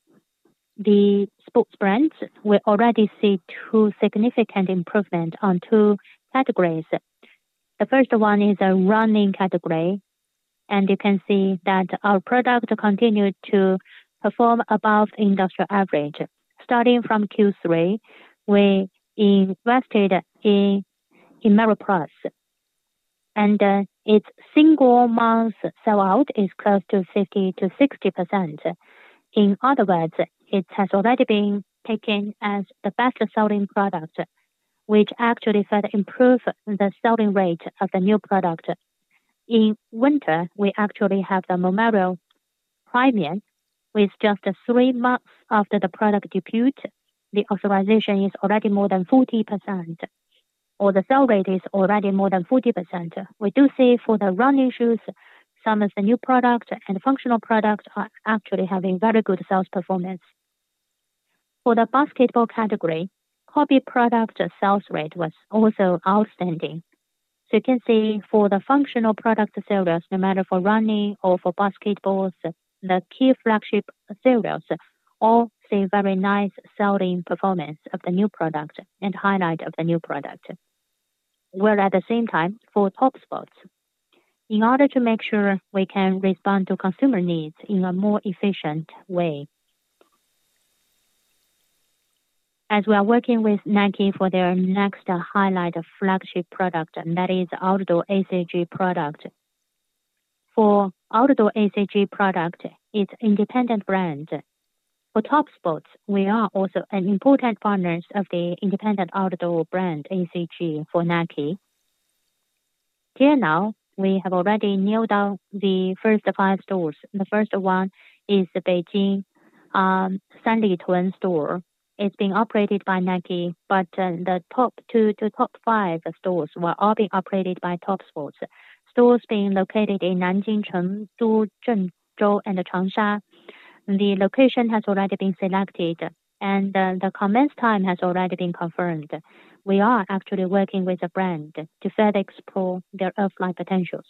Speaker 1: the sports brands, we already see two significant improvements on two categories. The first one is a running category, and you can see that our product continues to perform above the industrial average. Starting from Q3, we invested in Merrell Plus, and its single-month sell-out is close to 50% to 60%. In other words, it has already been picked as the best selling product, which actually further improves the selling rate of the new product. In winter, we actually have the Merrell Premium. With just three months after the product debut, the authorization is already more than 40%, or the sell rate is already more than 40%. We do see for the running shoes, some of the new products and functional products are actually having very good sales performance. For the basketball category, the hobby product sales rate was also outstanding. You can see for the functional product series, no matter for running or for basketball, the key flagship series all see very nice selling performance of the new product and highlight of the new product. While at the same time, for Topsports, in order to make sure we can respond to consumer needs in a more efficient way, as we are working with Nike for their next highlight flagship product, and that is the outdoor Nike ACG product. For the outdoor Nike ACG product, it's an independent brand. For Topsports, we are also an important partner of the independent outdoor brand Nike ACG for Nike. Till now, we have already nailed down the first five stores. The first one is the Beijing Sanlitun store. It's been operated by Nike, but the top two to top five stores were all being operated by Topsports. Stores being located in Nanjing, Zhou, Zhou, and Changsha. The location has already been selected, and the commencement time has already been confirmed. We are actually working with the brand to further explore their offline potentials.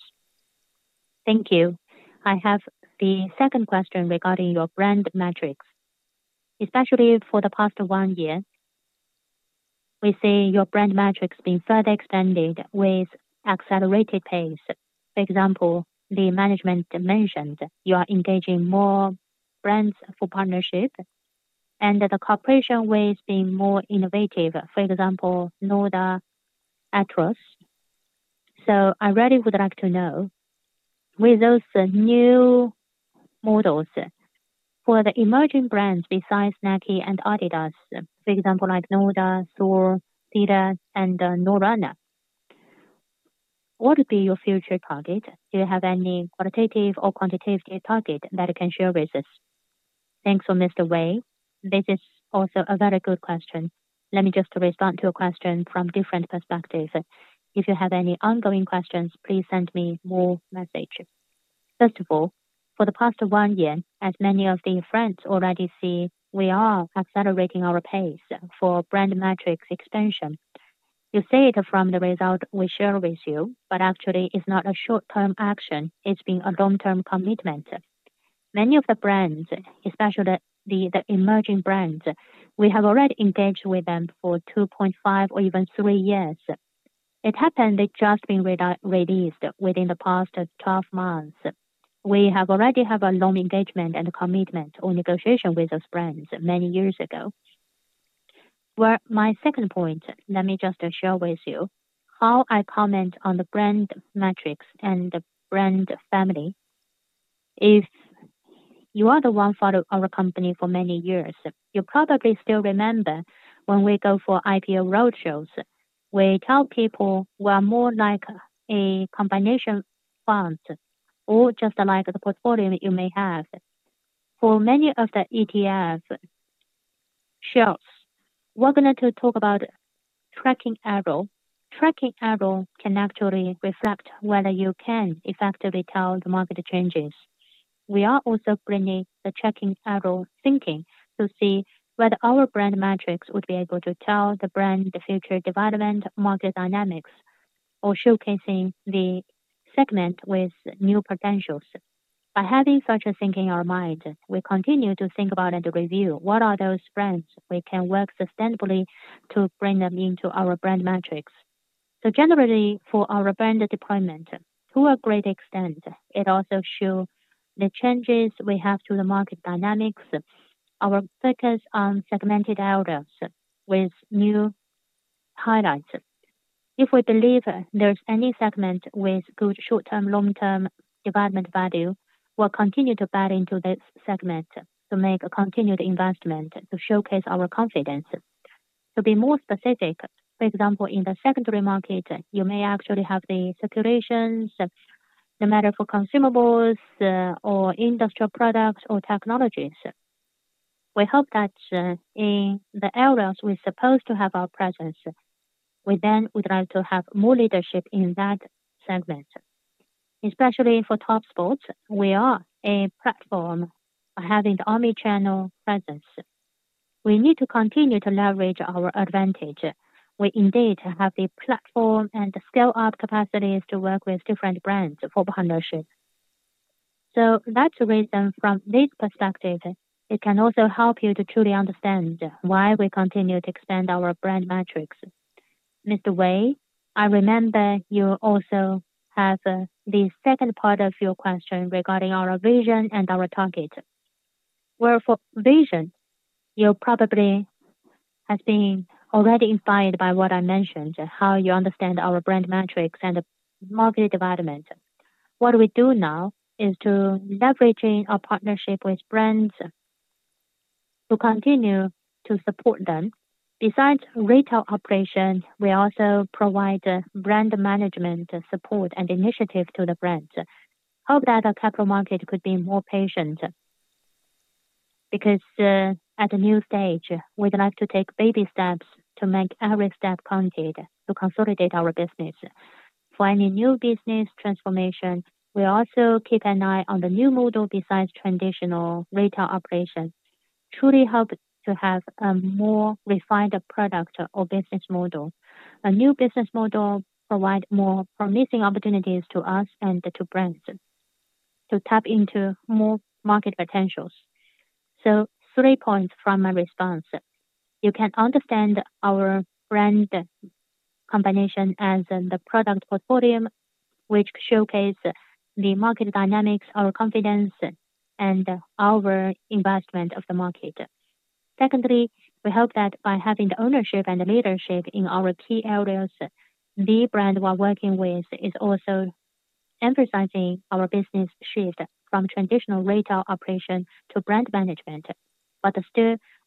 Speaker 6: Thank you. I have the second question regarding your brand metrics. Especially for the past one year, we see your brand metrics being further expanded with accelerated pace. For example, the management mentioned you are engaging more brands for partnership, and the cooperation ways being more innovative, for example, Nodal, Aptus. I really would like to know, with those new models for the emerging brands besides Nike and Adidas, for example, like Nodal, Aptus, Adidas, and Norrøna, what would be your future target? Do you have any qualitative or quantitative target that you can share with us?
Speaker 1: Thanks for Mr. Wei. This is also a very good question. Let me just respond to a question from a different perspective. If you have any ongoing questions, please send me a message. First of all, for the past one year, as many of the friends already see, we are accelerating our pace for brand metrics expansion. You see it from the result we share with you, but actually, it's not a short-term action. It's been a long-term commitment. Many of the brands, especially the emerging brands, we have already engaged with them for 2.5 or even 3 years. It happened they've just been released within the past 12 months. We have already had a long engagement and commitment or negotiation with those brands many years ago. For my second point, let me just share with you how I comment on the brand metrics and the brand family. If you are the one who followed our company for many years, you probably still remember when we go for IPO roadshows. We tell people we're more like a combination fund or just like the portfolio you may have. For many of the ETF shares, we're going to talk about the tracking arrow. Tracking arrow can actually reflect whether you can effectively tell the market changes. We are also bringing the tracking arrow thinking to see whether our brand metrics would be able to tell the brand the future development market dynamics or showcasing the segment with new potentials. By having such a thinking in our mind, we continue to think about and review what are those brands we can work sustainably to bring them into our brand metrics. Generally, for our brand deployment, to a great extent, it also shows the changes we have to the market dynamics. Our focus on segmented outlets with new highlights. If we believe there's any segment with good short-term, long-term development value, we'll continue to buy into this segment to make a continued investment to showcase our confidence. To be more specific, for example, in the secondary market, you may actually have the circulations, no matter for consumables or industrial products or technologies. We hope that in the areas we're supposed to have our presence, we then would like to have more leadership in that segment. Especially for Topsports, we are a platform by having the omnichannel presence. We need to continue to leverage our advantage. We indeed have the platform and the scale-up capacities to work with different brands for partnership. That's the reason from this perspective, it can also help you to truly understand why we continue to expand our brand metrics. Mr. Wei, I remember you also have the second part of your question regarding our vision and our target. Where for vision, you probably have been already inspired by what I mentioned, how you understand our brand metrics and market development. What we do now is to leverage our partnership with brands to continue to support them. Besides retail operations, we also provide brand management support and initiative to the brands. I hope that the capital market could be more patient because at a new stage, we'd like to take baby steps to make every step counted to consolidate our business. For any new business transformation, we also keep an eye on the new model besides traditional retail operations. Truly hope to have a more refined product or business model. A new business model provides more promising opportunities to us and to brands to tap into more market potentials. Three points from my response. You can understand our brand combination as the product portfolio, which showcases the market dynamics, our confidence, and our investment of the market. Secondly, we hope that by having the ownership and the leadership in our key areas, the brand we're working with is also emphasizing our business shift from traditional retail operation to brand management.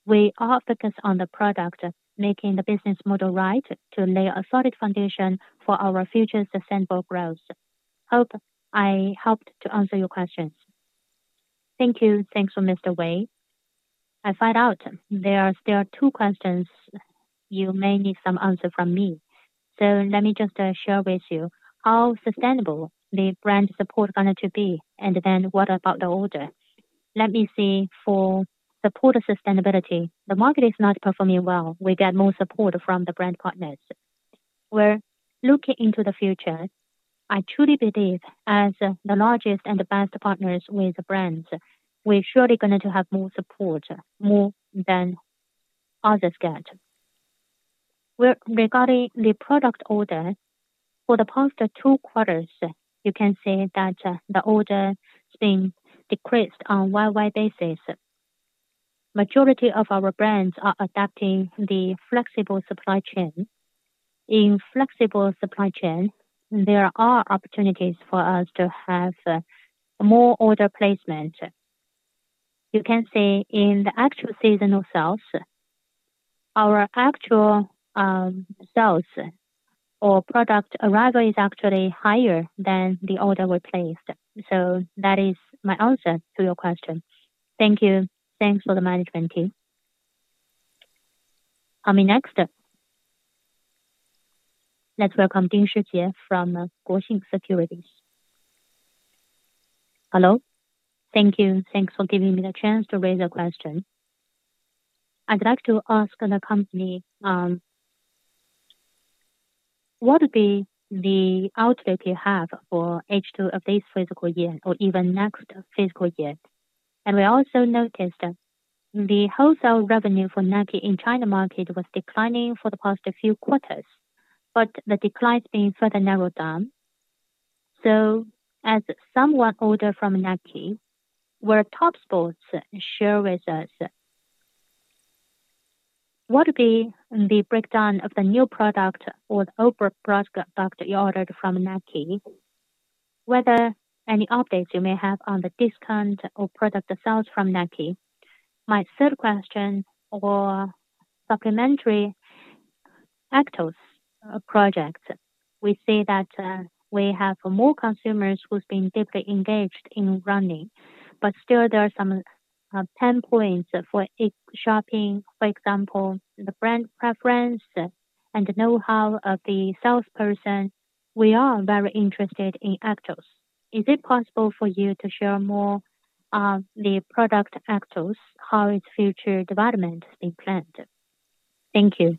Speaker 1: We are still focused on the product, making the business model right to lay a solid foundation for our future sustainable growth. Hope I helped to answer your questions.
Speaker 6: Thank you.
Speaker 1: Thanks for Mr. Wei. I find out there are still two questions you may need some answer from me. Let me just share with you how sustainable the brand support is going to be, and then what about the order. Let me see for support sustainability. The market is not performing well. We get more support from the brand partners. We're looking into the future. I truly believe as the largest and best partners with brands, we're surely going to have more support, more than others get. Regarding the product order, for the past two quarters, you can see that the order has been decreased on a worldwide basis. The majority of our brands are adapting the flexible supply chain. In flexible supply chain, there are opportunities for us to have more order placement. You can see in the actual seasonal sales, our actual sales or product arrival is actually higher than the order we placed. That is my answer to your question. Thank you.
Speaker 6: Thanks for the management team.
Speaker 5: Coming next, let's welcome Ding Xu Jie from Guoxing Securities. Hello. Thank you. Thanks for giving me the chance to raise a question. I'd like to ask the company, what would be the outlook you have for H2 of this fiscal year or even next fiscal year? We also noticed the wholesale revenue for Nike in the China market was declining for the past few quarters, but the decline has been further narrowed down. As someone older from Nike, where Topsports shares with us, what would be the breakdown of the new product or the overall product you ordered from Nike? Whether any updates you may have on the discount or product sales from Nike? My third question or supplementary Aptus project, we see that we have more consumers who've been deeply engaged in running, but still there are some pain points for shopping, for example, the brand preference and the know-how of the salesperson. We are very interested in Aptus. Is it possible for you to share more on the product Aptus, how its future development is being planned? Thank you.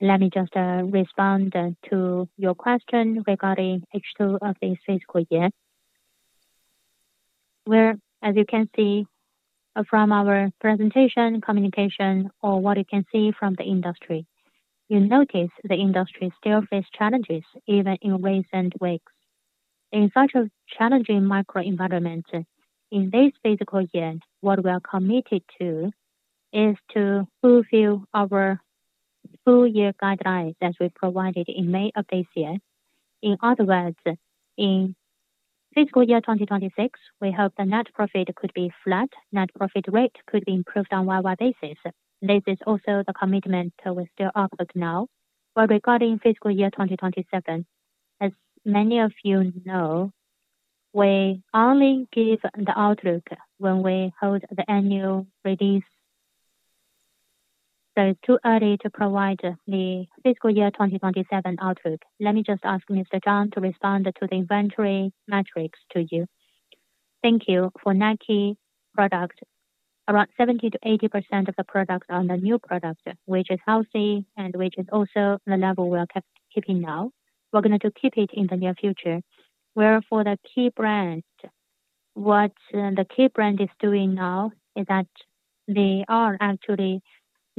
Speaker 1: Let me just respond to your question regarding H2 of this fiscal year. As you can see from our presentation, communication, or what you can see from the industry, you notice the industry still faces challenges even in recent weeks. In such a challenging micro environment, in this fiscal year, what we are committed to is to fulfill our full-year guidelines that we provided in May of this year. In other words, in fiscal year 2026, we hope the net profit could be flat. Net profit rate could be improved on a worldwide basis. This is also the commitment we still uphold now. Regarding fiscal year 2027, as many of you know, we only give the outlook when we hold the annual release. It's too early to provide the fiscal year 2027 outlook. Let me ask Mr. Zhang to respond to the inventory metrics to you.
Speaker 4: Thank you. For Nike product, around 70% to 80% of the products are the new product, which is healthy and which is also the level we are keeping now. We're going to keep it in the near future. For the key brands, what the key brand is doing now is that they are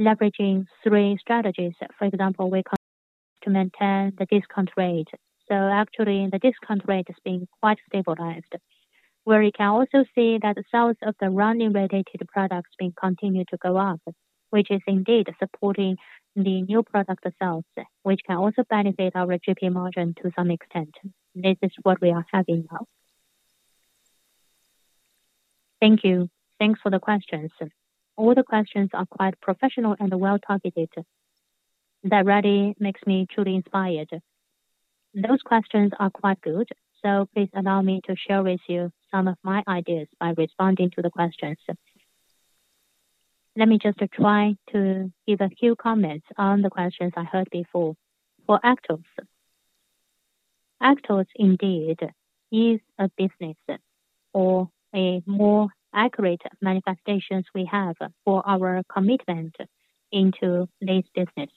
Speaker 4: actually leveraging three strategies. For example, we maintain the discount rate. The discount rate has been quite stabilized. You can also see that the sales of the running related products have been continuing to go up, which is indeed supporting the new product sales, which can also benefit our gross profit margin to some extent. This is what we are having now.
Speaker 1: Thank you. Thanks for the questions. All the questions are quite professional and well-targeted. That really makes me truly inspired. Those questions are quite good, so please allow me to share with you some of my ideas by responding to the questions. Let me try to give a few comments on the questions I heard before. For Aptus, Aptus indeed is a business or a more accurate manifestation we have for our commitment into this business.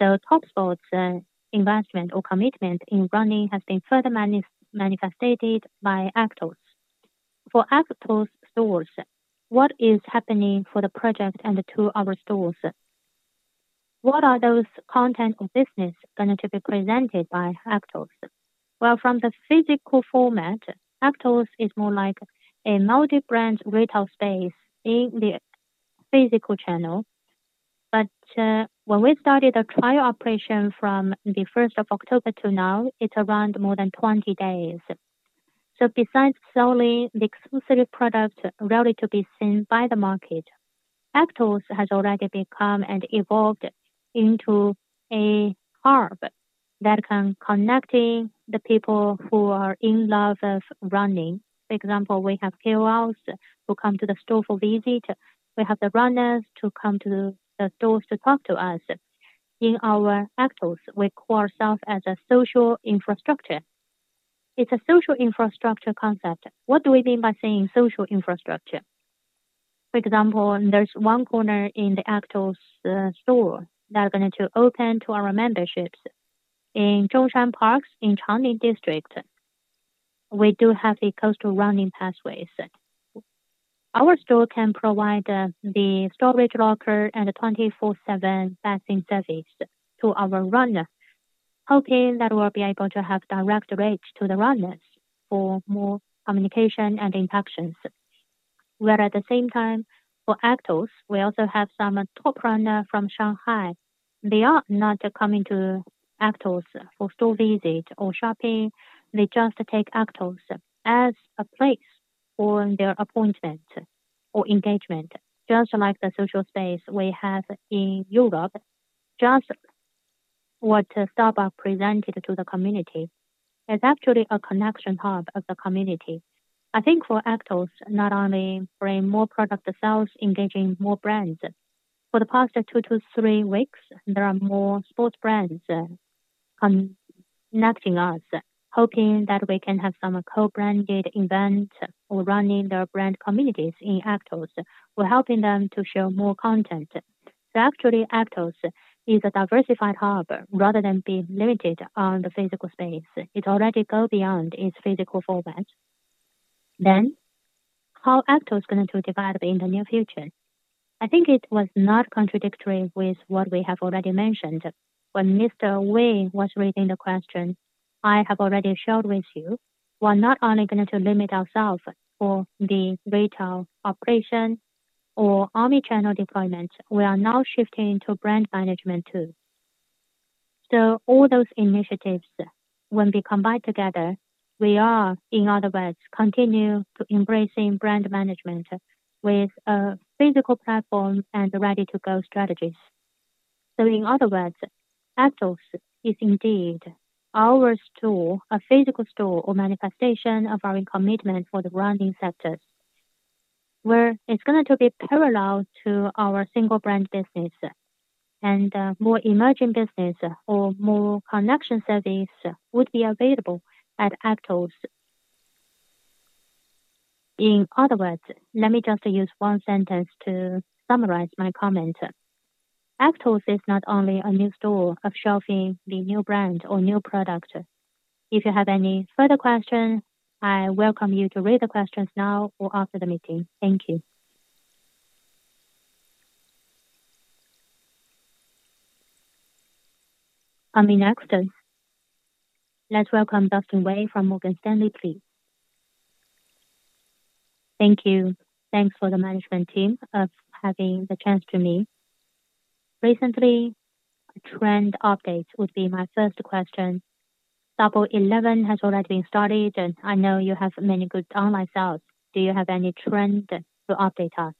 Speaker 1: Topsports' investment or commitment in running has been further manifested by Aptus. For Aptus stores, what is happening for the project and to our stores? What are those content or business going to be presented by Aptus? From the physical format, Aptus is more like a multi-brand retail space in the physical channel. When we started a trial operation from the 1st of October to now, it's around more than 20 days. Besides selling the exclusive product ready to be seen by the market, Aptus has already become and evolved into a hub that can connect the people who are in love with running. For example, we have KOLs who come to the store for visit. We have the runners who come to the stores to talk to us. In our Aptus, we call ourselves as a social infrastructure. It's a social infrastructure concept. What do we mean by saying social infrastructure? For example, there's one corner in the Aptus store that's going to open to our memberships in Zhongshan Parks in Changning District. We do have the coastal running pathways. Our store can provide the storage locker and the 24/7 bathroom service to our runners, hoping that we'll be able to have direct reach to the runners for more communication and interactions. At the same time, for Aptus, we also have some top runners from Shanghai. They are not coming to Aptus for store visits or shopping. They just take Aptus as a place for their appointment or engagement, just like the social space we have in Europe. Just what Starbucks presented to the community is actually a connection hub of the community. I think for Aptus, not only bringing more product sales, engaging more brands, for the past two to three weeks, there are more sports brands connecting us, hoping that we can have some co-branded events or running their brand communities in Aptus, or helping them to share more content. Actually, Aptus is a diversified hub rather than being limited on the physical space. It already goes beyond its physical format. How Aptus is going to develop in the near future? I think it was not contradictory with what we have already mentioned when Mr. Wei was reading the question. I have already shared with you, we're not only going to limit ourselves for the retail operation or omnichannel deployment. We are now shifting to brand management too. All those initiatives, when we combine together, we are, in other words, continue to embrace brand management with a physical platform and ready-to-go strategies. In other words, Aptus is indeed our store, a physical store, or manifestation of our commitment for the running sectors, where it's going to be parallel to our single-brand business. More emerging business or more connection service would be available at Aptus. In other words, let me just use one sentence to summarize my comment. Aptus is not only a new store of shelving the new brand or new product. If you have any further questions, I welcome you to read the questions now or after the meeting. Thank you.
Speaker 5: Coming next, let's welcome Dustin Wei from Morgan Stanley, please.
Speaker 7: Thank you. Thanks for the management team for having the chance to meet. Recently, a trend update would be my first question. Double 11 has already been started, and I know you have many good online sales. Do you have any trend to update us?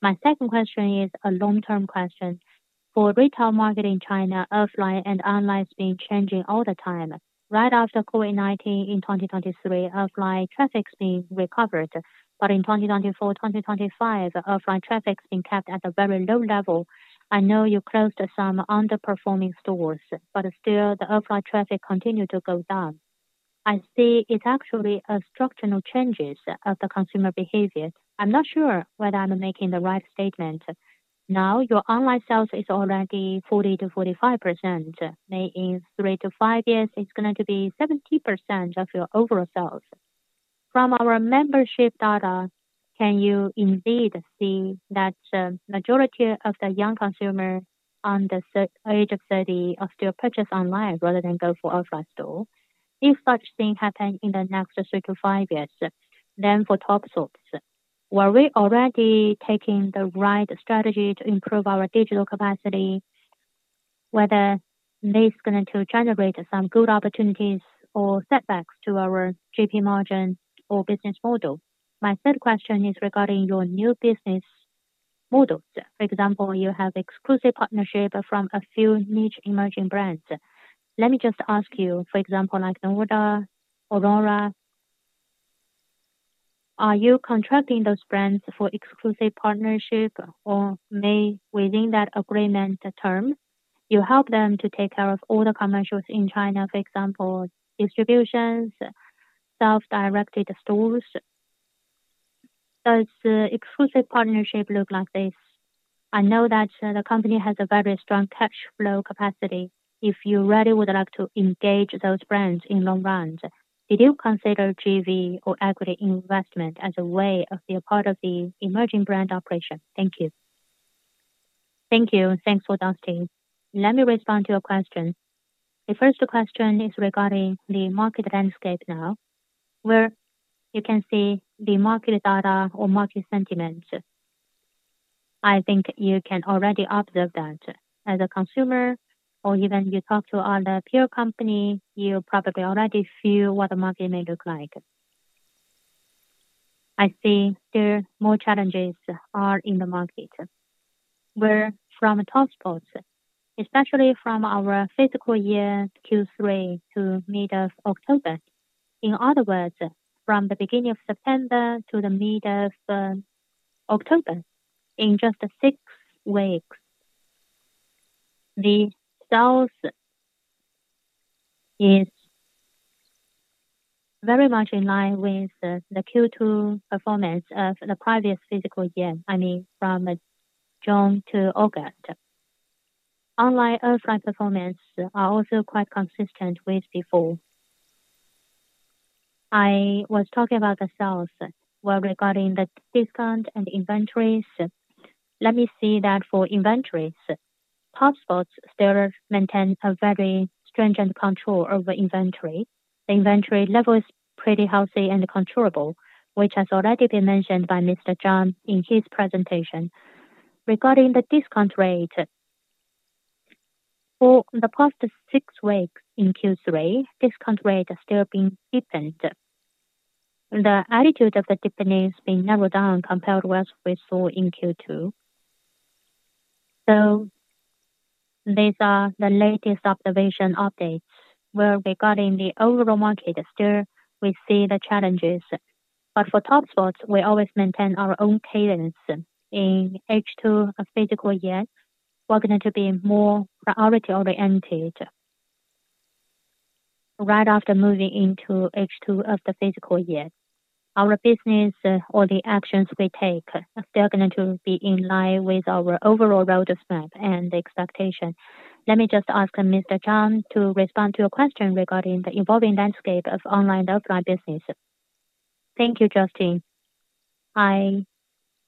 Speaker 7: My second question is a long-term question. For retail market in China, offline and online has been changing all the time. Right after COVID-19 in 2023, offline traffic has been recovered. In 2024, 2025, offline traffic has been kept at a very low level. I know you closed some underperforming stores, but still the offline traffic continued to go down. I see it's actually a structural change of the consumer behavior. I'm not sure whether I'm making the right statement. Now your online sales are already 40% to 45%. Maybe in three to five years, it's going to be 70% of your overall sales. From our membership data, can you indeed see that the majority of the young consumers under the age of 30 still purchase online rather than go for an offline store? If such things happen in the next three to five years, then for Topsports, were we already taking the right strategy to improve our digital capacity? Whether this is going to generate some good opportunities or setbacks to our GP margin or business model. My third question is regarding your new business models. For example, you have exclusive partnerships from a few niche emerging brands. Let me just ask you, for example, like Nodal, Aurora, are you contracting those brands for exclusive partnership or may within that agreement term? You help them to take care of all the commercials in China, for example, distributions, self-directed stores. Does the exclusive partnership look like this? I know that the company has a very strong cash flow capacity. If you really would like to engage those brands in the long run, did you consider GV or equity investment as a way of being a part of the emerging brand operation? Thank you.
Speaker 1: Thank you. Thanks for Dustin. Let me respond to your question. The first question is regarding the market landscape now, where you can see the market data or market sentiment. I think you can already observe that as a consumer or even you talk to other peer companies, you probably already feel what the market may look like. I see there are more challenges in the market. Where from Topsports, especially from our fiscal year Q3 to mid-October, in other words, from the beginning of September to mid-October, in just six weeks, the sales are very much in line with the Q2 performance of the previous fiscal year. I mean, from June to August. Online offline performance is also quite consistent with before. I was talking about the sales, were regarding the discount and inventories. Let me see that for inventories, Topsports still maintains a very strong control of the inventory. The inventory level is pretty healthy and controllable, which has already been mentioned by Mr. Zhang in his presentation. Regarding the discount rate, for the past six weeks in Q3, the discount rate has still been deepened. The attitude of the deepening has been narrowed down compared to what we saw in Q2. These are the latest observation updates. Regarding the overall market, still we see the challenges. For Topsports, we always maintain our own cadence. In H2 of the fiscal year, we're going to be more priority-oriented. Right after moving into H2 of the fiscal year, our business or the actions we take are still going to be in line with our overall roadmap and expectations. Let me just ask Mr. Zhang to respond to a question regarding the evolving landscape of online and offline business.
Speaker 3: Thank you, Justin. I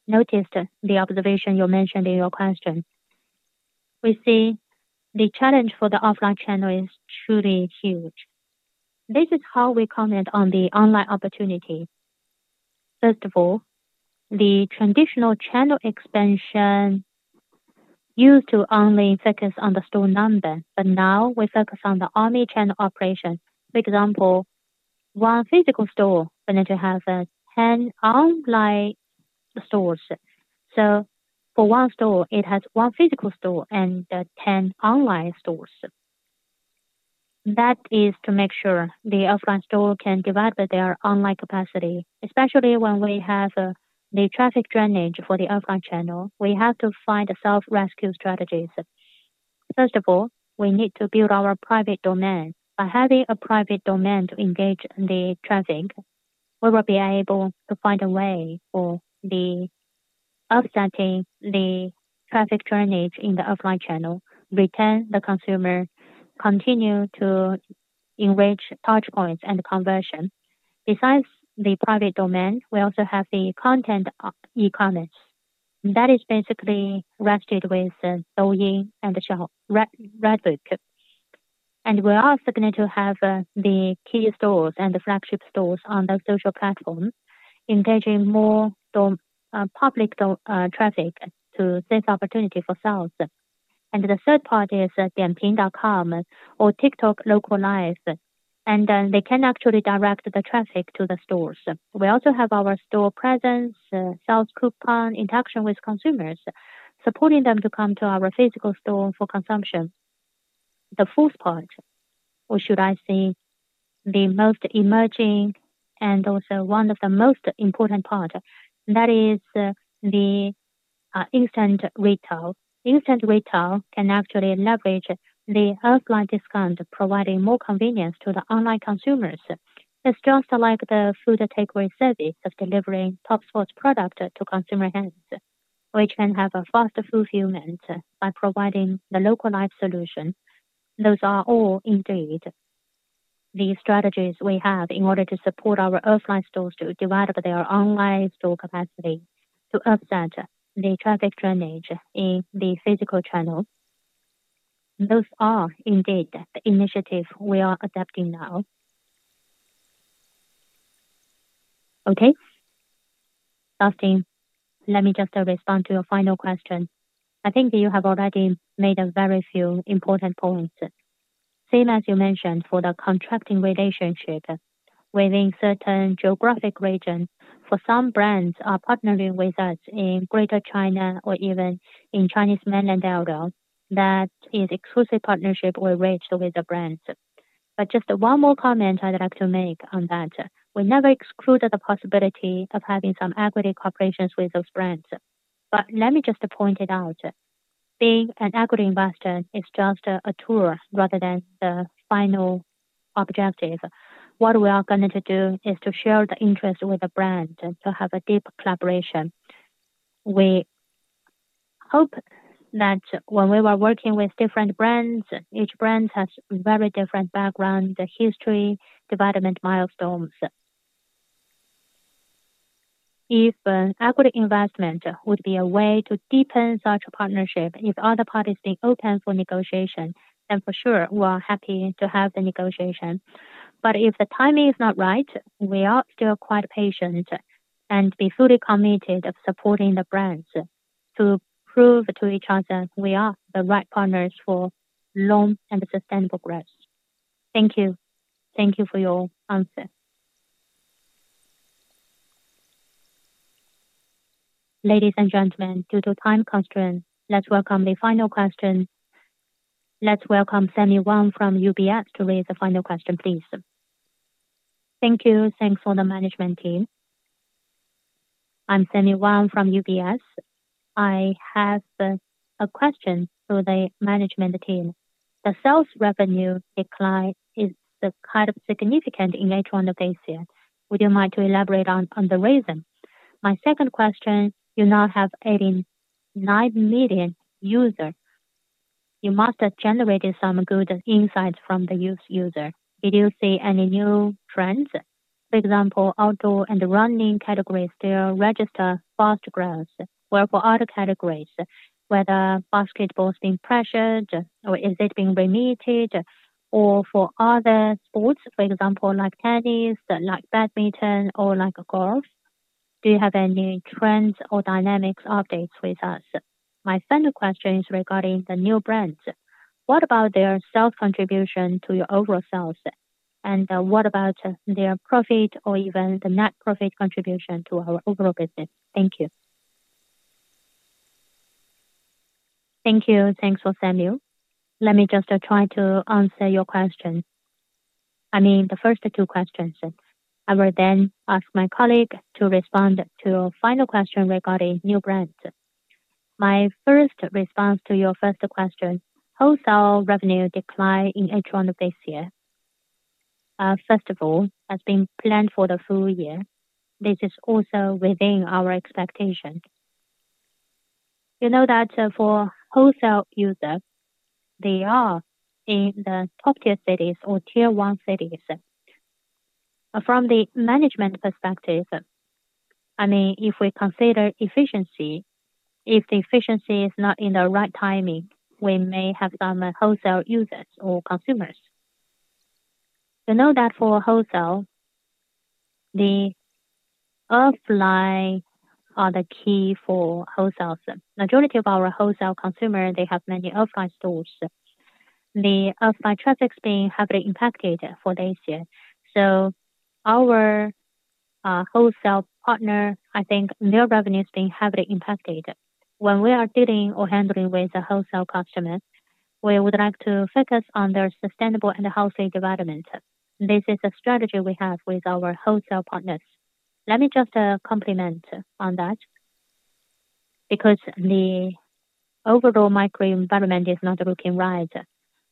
Speaker 3: noticed the observation you mentioned in your question. We see the challenge for the offline channel is truly huge. This is how we comment on the online opportunity. First of all, the traditional channel expansion used to only focus on the store number, but now we focus on the omnichannel operation. For example, one physical store will need to have 10 online stores. For one store, it has one physical store and 10 online stores. That is to make sure the offline store can develop their online capacity. Especially when we have the traffic drainage for the offline channel, we have to find self-rescue strategies. First of all, we need to build our private domain. By having a private domain to engage the traffic, we will be able to find a way for offsetting the traffic drainage in the offline channel, retain the consumer, continue to enrich touch points and conversion. Besides the private domain, we also have the content e-commerce. That is basically rested with Douyin and Redbook. We're also going to have the key stores and the flagship stores on the social platform, engaging more public traffic to seize opportunity for sales. The third part is Dianping.com or TikTok localized. They can actually direct the traffic to the stores. We also have our store presence, sales coupon, interaction with consumers, supporting them to come to our physical store for consumption. The fourth part, which should I say is the most emerging and also one of the most important parts, is the instant retail. Instant retail can actually leverage the offline discount, providing more convenience to the online consumers. It's just like the food takeaway service of delivering Topsports' product to consumer hands, which can have a faster fulfillment by providing the localized solution. Those are all indeed the strategies we have in order to support our offline stores to develop their online store capacity, to offset the traffic drainage in the physical channel. Those are indeed the initiatives we are adapting now. Okay. Justin, let me just respond to your final question. I think you have already made a very few important points. Same as you mentioned for the contracting relationship within certain geographic regions. For some brands partnering with us in Greater China or even in Chinese mainland areas, that is an exclusive partnership we reached with the brands. Just one more comment I'd like to make on that. We never exclude the possibility of having some equity cooperations with those brands. Let me just point it out. Being an equity investor is just a tool rather than the final objective. What we are going to do is to share the interest with the brand to have a deep collaboration. We hope that when we were working with different brands, each brand has very different backgrounds, history, development milestones. If equity investment would be a way to deepen such a partnership, if other parties are being open for negotiation, then for sure we are happy to have the negotiation. If the timing is not right, we are still quite patient and be fully committed to supporting the brands to prove to each other we are the right partners for long and sustainable growth. Thank you.
Speaker 7: Thank you for your answer.
Speaker 5: Ladies and gentlemen, due to time constraints, let's welcome the final question. Let's welcome Sammy Wang from UBS to raise the final question, please.
Speaker 8: Thank you. Thanks for the management team. I'm Sammy Wang from UBS. I have a question for the management team. The sales revenue decline is kind of significant in H1 of this year. Would you mind to elaborate on the reason? My second question, you now have 89 million users. You must have generated some good insights from the user. Did you see any new trends? For example, outdoor and running categories still register fast growth, where for other categories, whether basketball is being pressured or is it being remitted, or for other sports, for example, like tennis, like badminton, or like golf? Do you have any trends or dynamics updates with us? My final question is regarding the new brands. What about their sales contribution to your overall sales? And what about their profit or even the net profit contribution to our overall business? Thank you.
Speaker 1: Thank you. Thanks for, Sammy. Let me just try to answer your question. I mean the first two questions. I will then ask my colleague to respond to your final question regarding new brands. My first response to your first question, wholesale revenue decline in H1 of this year. First of all, it has been planned for the full year. This is also within our expectation. You know that for wholesale users, they are in the top tier cities or tier one cities. From the management perspective, I mean, if we consider efficiency, if the efficiency is not in the right timing, we may have some wholesale users or consumers. You know that for wholesale, the offline are the key for wholesale. The majority of our wholesale consumers, they have many offline stores. The offline traffic has been heavily impacted for this year. Our wholesale partner, I think their revenue has been heavily impacted. When we are dealing or handling with the wholesale customers, we would like to focus on their sustainable and healthy development. This is a strategy we have with our wholesale partners. Let me just complement on that. Because the overall microenvironment is not looking right,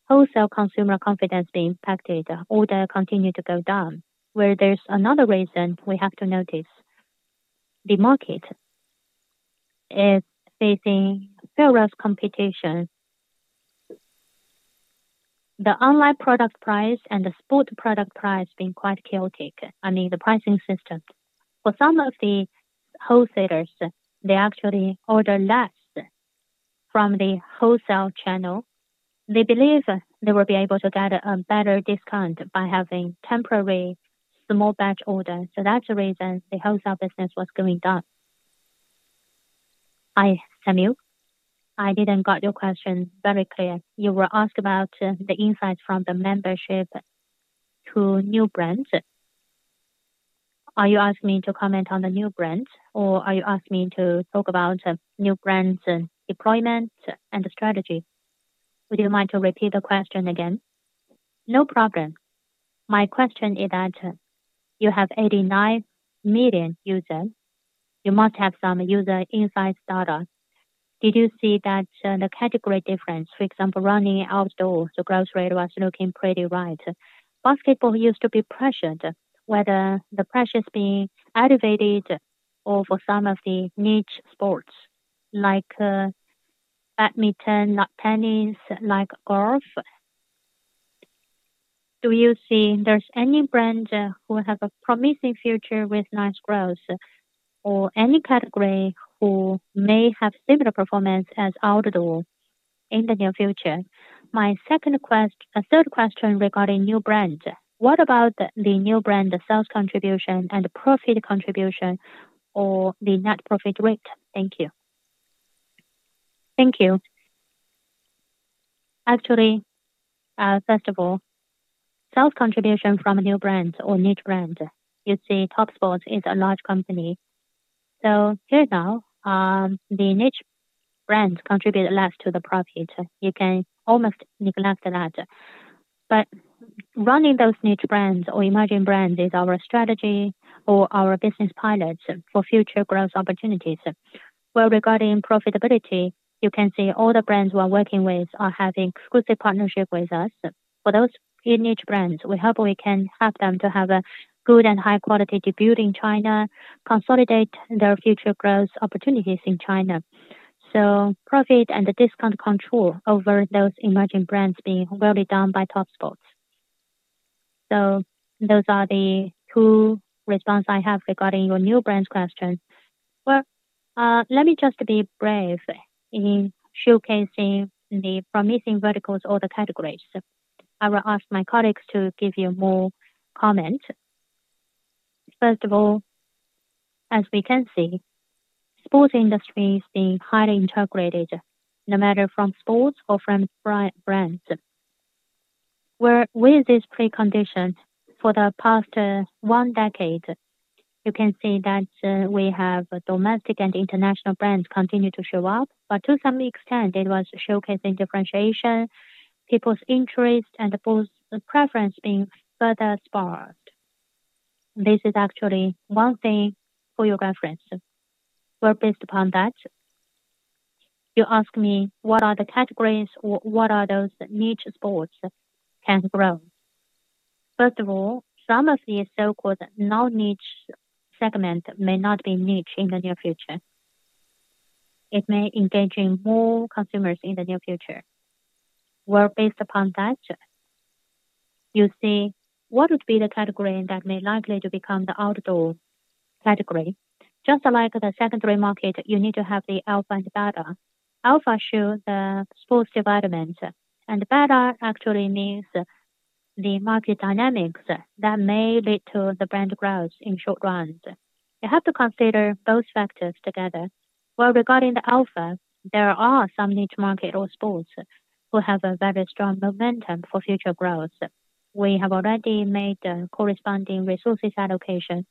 Speaker 1: wholesale consumer confidence being impacted, order continues to go down. There is another reason we have to notice, the market is facing ferocious competition. The online product price and the sport product price have been quite chaotic. I mean, the pricing system. For some of the wholesalers, they actually order less from the wholesale channel. They believe they will be able to get a better discount by having temporary small batch orders. That is the reason the wholesale business was going down.
Speaker 3: Hi, Sammy. I didn't get your question very clear. You were asked about the insights from the membership to new brands. Are you asking me to comment on the new brands or are you asking me to talk about new brands' deployment and strategy? Would you mind to repeat the question again?
Speaker 8: No problem. My question is that you have 89 million users. You must have some user insights data. Did you see that the category difference, for example, running outdoors, the growth rate was looking pretty right? Basketball used to be pressured, whether the pressure is being elevated or for some of the niche sports, like badminton, tennis, like golf. Do you see there's any brand who has a promising future with nice growth or any category who may have similar performance as outdoor in the near future? My second question, a third question regarding new brands. What about the new brand sales contribution and profit contribution or the net profit rate? Thank you.
Speaker 3: Thank you. Actually, first of all, sales contribution from a new brand or niche brand. You see, Topsports is a large company. Here now, the niche brands contribute less to the profit. You can almost neglect that. Running those niche brands or emerging brands is our strategy or our business pilots for future growth opportunities. Regarding profitability, you can see all the brands we're working with are having exclusive partnerships with us. For those niche brands, we hope we can help them to have a good and high-quality debut in China, consolidate their future growth opportunities in China. Profit and discount control over those emerging brands being well done by Topsports. Those are the two responses I have regarding your new brands' question. Let me just be brave in showcasing the promising verticals or the categories. I will ask my colleagues to give you more comments. First of all, as we can see, the sports industry is being highly integrated, no matter from sports or from brands. With this precondition for the past one decade, you can see that we have domestic and international brands continue to show up. To some extent, it was showcasing differentiation, people's interest, and the booth preference being further sparked. This is actually one thing for your reference. Based upon that, you asked me what are the categories or what are those niche sports can grow. First of all, some of the so-called non-niche segments may not be niche in the near future. It may engage in more consumers in the near future. Based upon that, you see what would be the category that may likely to become the outdoor category. Just like the secondary market, you need to have the alpha and beta. Alpha shows the sports development, and beta actually means the market dynamics that may lead to the brand growth in short runs. You have to consider both factors together. Regarding the alpha, there are some niche markets or sports who have a very strong momentum for future growth. We have already made the corresponding resources allocation.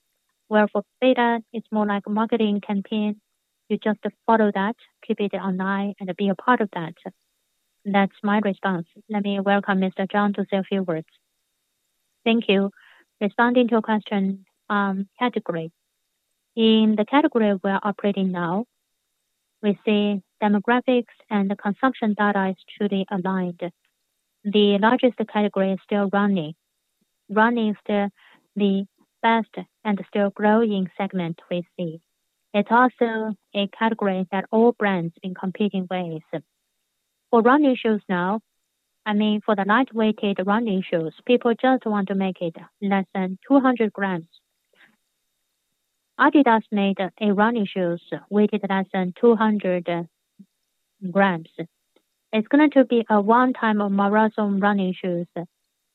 Speaker 3: For beta, it's more like a marketing campaign. You just follow that, keep it online, and be a part of that. That's my response. Let me welcome Mr. Zhang to say a few words.
Speaker 4: Thank you. Responding to your question on category. In the category we're operating now, we see demographics and the consumption data is truly aligned. The largest category is still running. Running is still the best and still growing segment we see. It's also a category that all brands are in competing ways. For running shoes now, I mean, for the lightweight running shoes, people just want to make it less than 200 grams. Adidas made a running shoe weighted less than 200 grams. It's going to be a one-time marathon running shoes.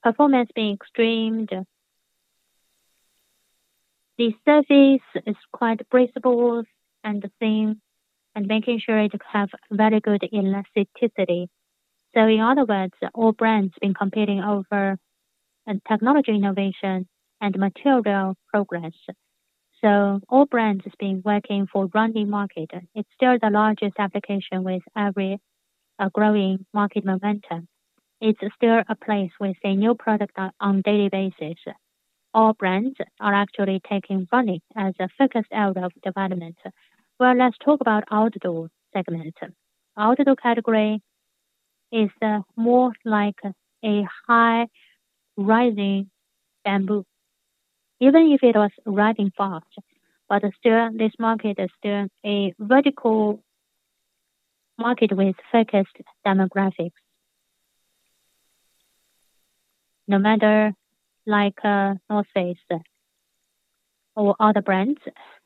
Speaker 4: Performance being extreme. The surface is quite breathable and thin, and making sure it has very good elasticity. In other words, all brands have been competing over technology innovation and material progress. All brands have been working for running market. It's still the largest application with every growing market momentum. It's still a place with a new product on a daily basis. All brands are actually taking running as a focus area of development. Let's talk about the outdoor segment. Outdoor category is more like a high-rising bamboo. Even if it was riding fast, this market is still a vertical market with focused demographics. No matter like North Face or other brands,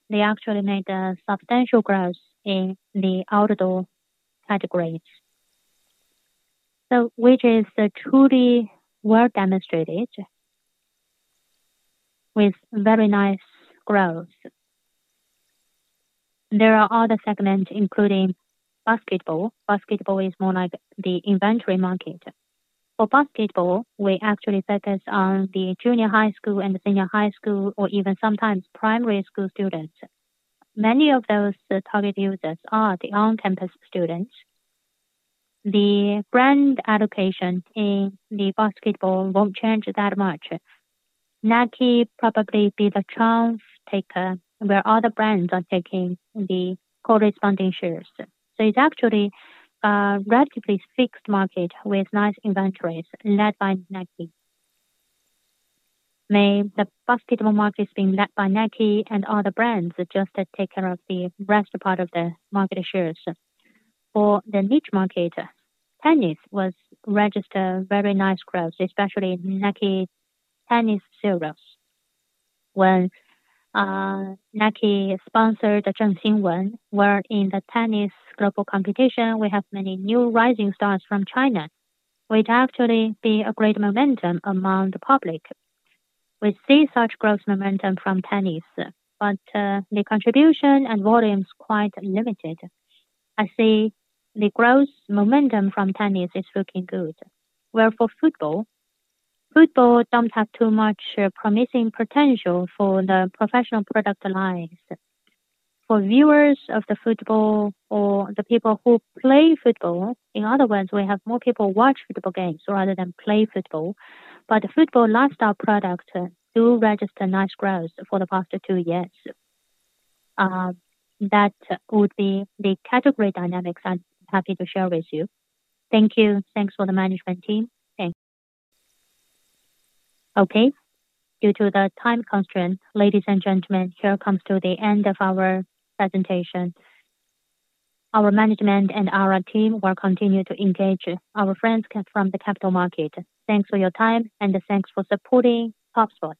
Speaker 4: they actually made substantial growth in the outdoor categories, which is truly well demonstrated with very nice growth. There are other segments, including basketball. Basketball is more like the inventory market. For basketball, we actually focus on the junior high school and the senior high school, or even sometimes primary school students. Many of those target users are the on-campus students. The brand allocation in the basketball won't change that much. Nike probably be the charm taker, where other brands are taking the corresponding shares. It's actually a relatively fixed market with nice inventories led by Nike. The basketball markets being led by Nike and other brands just take care of the rest part of the market shares. For the niche market, tennis was registered very nice growth, especially Nike tennis series. When Nike sponsored Zhang Xinwen, where in the tennis global competition, we have many new rising stars from China. Would actually be a great momentum among the public. We see such growth momentum from tennis, but the contribution and volume is quite limited. I see the growth momentum from tennis is looking good. For football, football doesn't have too much promising potential for the professional product lines. For viewers of the football or the people who play football, in other words, we have more people watch football games rather than play football. The football lifestyle product do register nice growth for the past two years. That would be the category dynamics I'm happy to share with you. Thank you.
Speaker 8: Thanks for the management team.
Speaker 4: Thanks.
Speaker 5: Okay. Due to the time constraint, ladies and gentlemen, here comes to the end of our presentation. Our management and our team will continue to engage our friends from the capital market. Thanks for your time, and thanks for supporting Topsports.